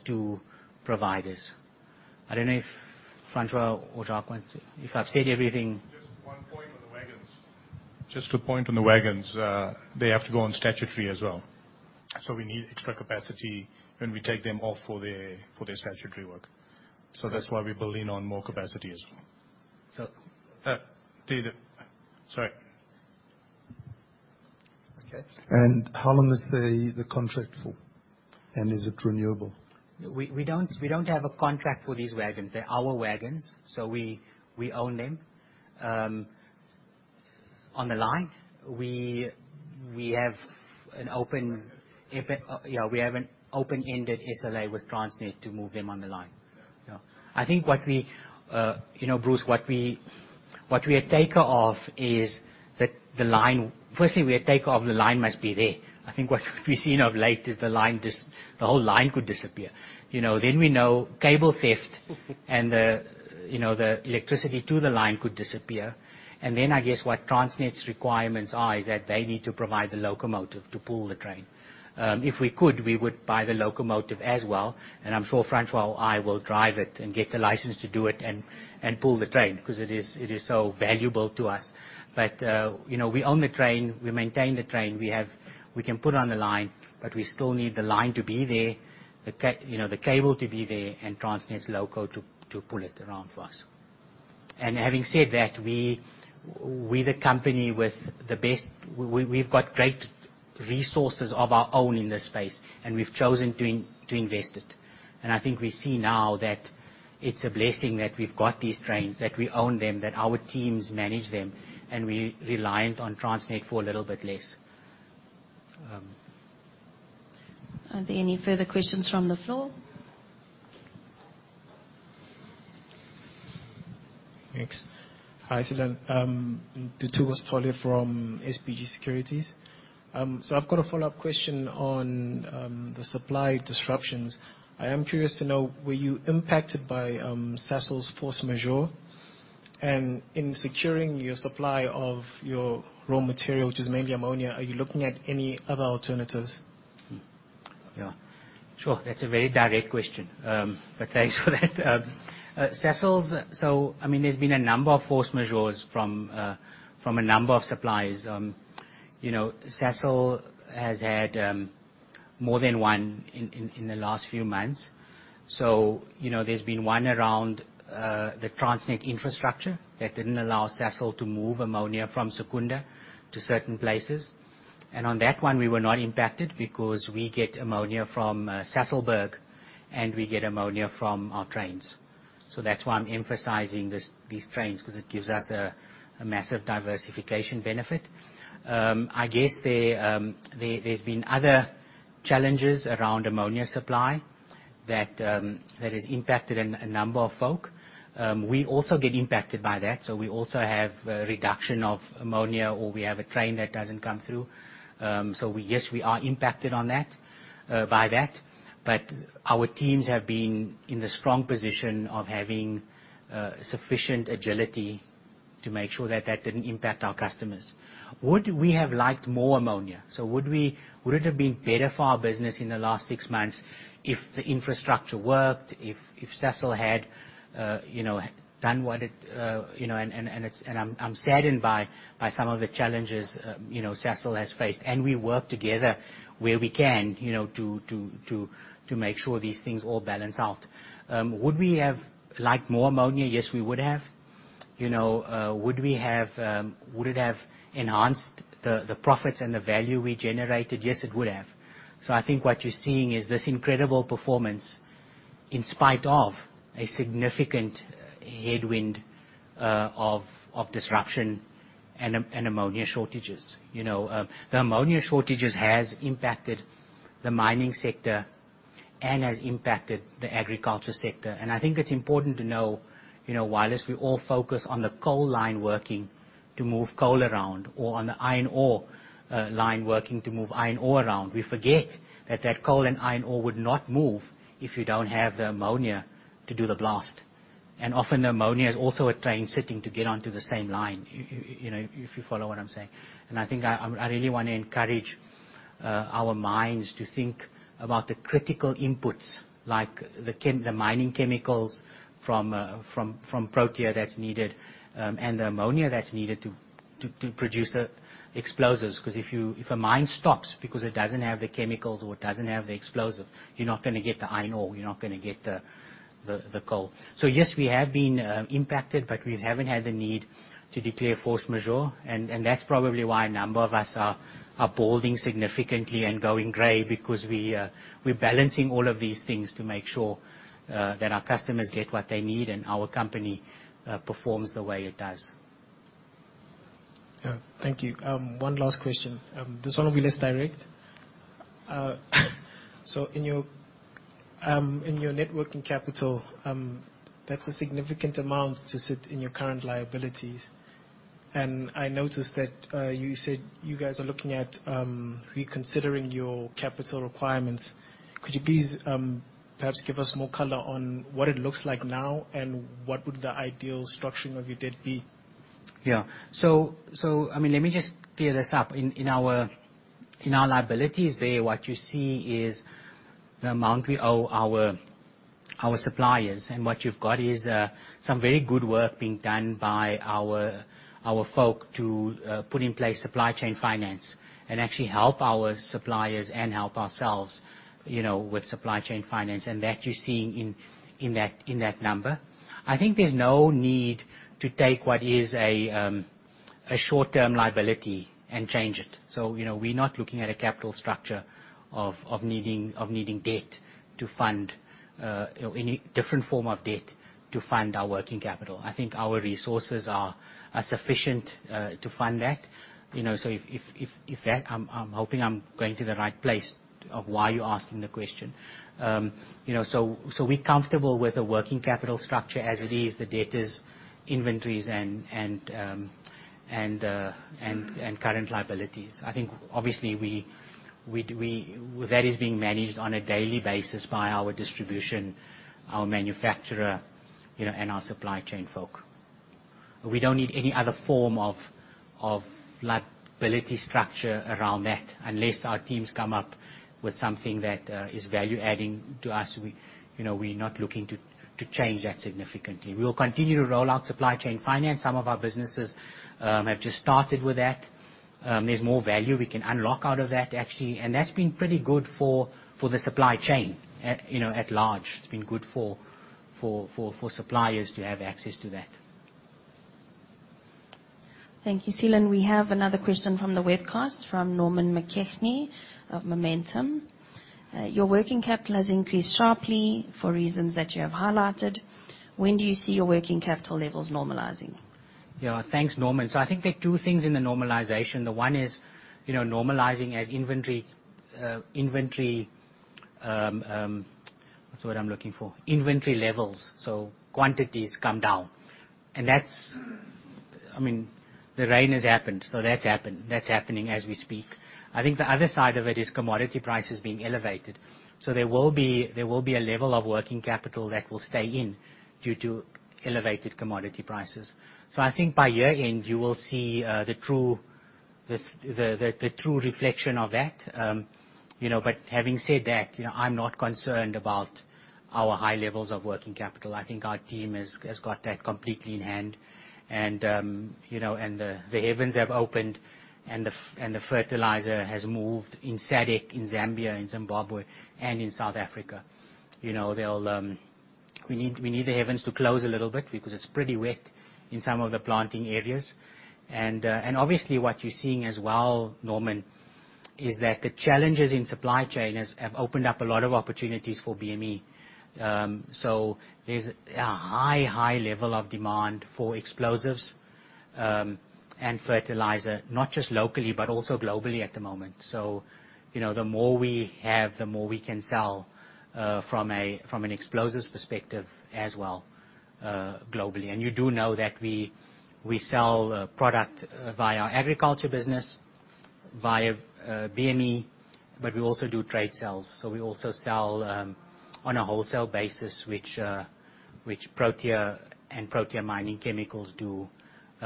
two providers. I don't know if Francois or Jacques want to. If I've said everything? Just to point on the wagons, they have to go on statutory as well. We need extra capacity when we take them off for their statutory work. That's why we're building on more capacity as well. David. Sorry. Okay. How long is the contract for? Is it renewable? We don't have a contract for these wagons. They're our wagons, so we own them on the line. We have yeah, an open-ended SLA with Transnet to move them on the line. Yeah. Yeah. I think what we, you know, Bruce, what we are taker of is the line. Firstly, we are taker of the line must be there. I think what we've seen of late is the whole line could disappear. You know, then we know cable theft and the, you know, the electricity to the line could disappear. I guess what Transnet's requirements are is that they need to provide the locomotive to pull the train. If we could, we would buy the locomotive as well, and I'm sure Francois or I will drive it and get the license to do it and pull the train, 'cause it is so valuable to us. You know, we own the train, we maintain the train, we have... we can put it on the line, but we still need the line to be there, you know, the cable to be there, and Transnet's loco to pull it around for us. Having said that, we're the company with the best. We've got great resources of our own in this space, and we've chosen to invest it. I think we see now that it's a blessing that we've got these trains, that we own them, that our teams manage them, and we're reliant on Transnet for a little bit less. Are there any further questions from the floor? Thanks. Hi, Thulani. Ntuthuko Sithole from SBG Securities. I've got a follow-up question on the supply disruptions. I am curious to know, were you impacted by Sasol's force majeure? In securing your supply of your raw material, which is mainly ammonia, are you looking at any other alternatives? Yeah. Sure. That's a very direct question. Thanks for that. Sasol's... I mean, there's been a number of force majeures from a number of suppliers. You know, Sasol has had more than one in, in the last few months. You know, there's been one around the Transnet infrastructure that didn't allow Sasol to move ammonia from Secunda to certain places. On that one, we were not impacted because we get ammonia from Sasolburg, and we get ammonia from our trains. That's why I'm emphasizing this, these trains, 'cause it gives us a massive diversification benefit. I guess there's been other challenges around ammonia supply that has impacted a number of folk. We also get impacted by that, so we also have a reduction of ammonia, or we have a train that doesn't come through. Yes, we are impacted on that, by that, but our teams have been in the strong position of having sufficient agility to make sure that that didn't impact our customers. Would we have liked more ammonia? Would it have been better for our business in the last six months if the infrastructure worked, if Sasol had, you know, done what it... You know, and it's... And I'm saddened by some of the challenges, you know, Sasol has faced, and we work together where we can, you know, to make sure these things all balance out. Would we have liked more ammonia? Yes, we would have. You know, would we have, would it have enhanced the profits and the value we generated? Yes, it would have. I think what you're seeing is this incredible performance in spite of a significant headwind of disruption and ammonia shortages. You know, the ammonia shortages has impacted the mining sector and has impacted the agriculture sector. I think it's important to know, you know, whilst we all focus on the coal line working to move coal around or on the iron ore line working to move iron ore around, we forget that that coal and iron ore would not move if you don't have the ammonia to do the blast. Often, the ammonia is also a train sitting to get onto the same line, you know, if you follow what I'm saying. I think I really wanna encourage our mines to think about the critical inputs like the mining chemicals from Protea that's needed, and the ammonia that's needed to produce the explosives. 'Cause if a mine stops because it doesn't have the chemicals or it doesn't have the explosive, you're not gonna get the iron ore, you're not gonna get the coal. Yes, we have been impacted, but we haven't had the need to declare force majeure, and that's probably why a number of us are balding significantly and going gray because we we're balancing all of these things to make sure that our customers get what they need and our company performs the way it does. Yeah. Thank you. One last question. This one will be less direct. In your net working capital, that's a significant amount to sit in your current liabilities. I noticed that you said you guys are looking at reconsidering your capital requirements. Could you please perhaps give us more color on what it looks like now and what would the ideal structuring of your debt be? Yeah. I mean, let me just clear this up. In our liabilities there, what you see is the amount we owe our suppliers, and what you've got is some very good work being done by our folk to put in place supply chain finance and actually help our suppliers and help ourselves, you know, with supply chain finance. That you're seeing in that number. I think there's no need to take what is a short-term liability and change it. You know, we're not looking at a capital structure of needing debt to fund any different form of debt to fund our working capital. I think our resources are sufficient to fund that. You know, if that... I'm hoping I'm going to the right place of why you're asking the question. You know, so we're comfortable with the working capital structure as it is, the debtors, inventories and current liabilities. I think obviously we-- that is being managed on a daily basis by our distribution, our manufacturer, you know, and our supply chain folk. We don't need any other form of liability structure around that. Unless our teams come up with something that is value-adding to us, you know, we're not looking to change that significantly. We will continue to roll out supply chain finance. Some of our businesses have just started with that. There's more value we can unlock out of that, actually, and that's been pretty good for the supply chain at, you know, at large. It's been good for suppliers to have access to that. Thank you, Seelan. We have another question from the webcast from Norman McKechnie of Momentum. Your working capital has increased sharply for reasons that you have highlighted. When do you see your working capital levels normalizing? Yeah. Thanks, Norman. I think there are two things in the normalization. The one is, you know, normalizing as inventory, what's the word I'm looking for? Inventory levels. Quantities come down. That's, I mean, the rain has happened, so that's happened. That's happening as we speak. I think the other side of it is commodity prices being elevated. There will be a level of working capital that will stay in due to elevated commodity prices. I think by year-end, you will see the true reflection of that. You know, having said that, you know, I'm not concerned about our high levels of working capital. I think our team has got that completely in hand. You know, and the heavens have opened, and the fertilizer has moved in SADC, in Zambia, in Zimbabwe, and in South Africa. You know, they'll. We need the heavens to close a little bit because it's pretty wet in some of the planting areas. Obviously what you're seeing as well, Norman, is that the challenges in supply chain have opened up a lot of opportunities for BME. There's a high level of demand for explosives and fertilizer, not just locally, but also globally at the moment. You know, the more we have, the more we can sell from an explosives perspective as well globally. You do know that we sell product via agriculture business, via BME, but we also do trade sales. We also sell, on a wholesale basis, which Protea and Protea Mining Chemicals do,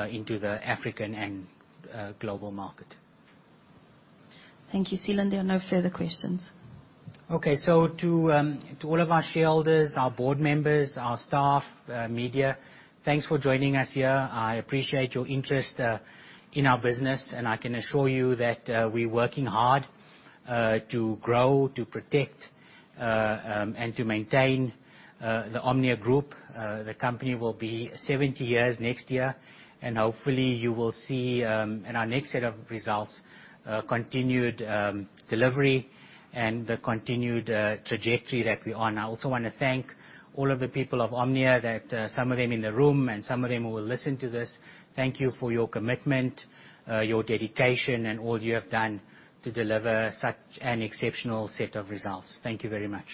into the African and global market. Thank you, Seelan. There are no further questions. Okay. To all of our shareholders, our board members, our staff, media, thanks for joining us here. I appreciate your interest in our business, I can assure you that we're working hard to grow, to protect, and to maintain the Omnia Group. The company will be 70 years next year, hopefully you will see in our next set of results continued delivery and the continued trajectory that we're on. I also want to thank all of the people of Omnia that some of them in the room and some of them who will listen to this, thank you for your commitment, your dedication and all you have done to deliver such an exceptional set of results. Thank you very much.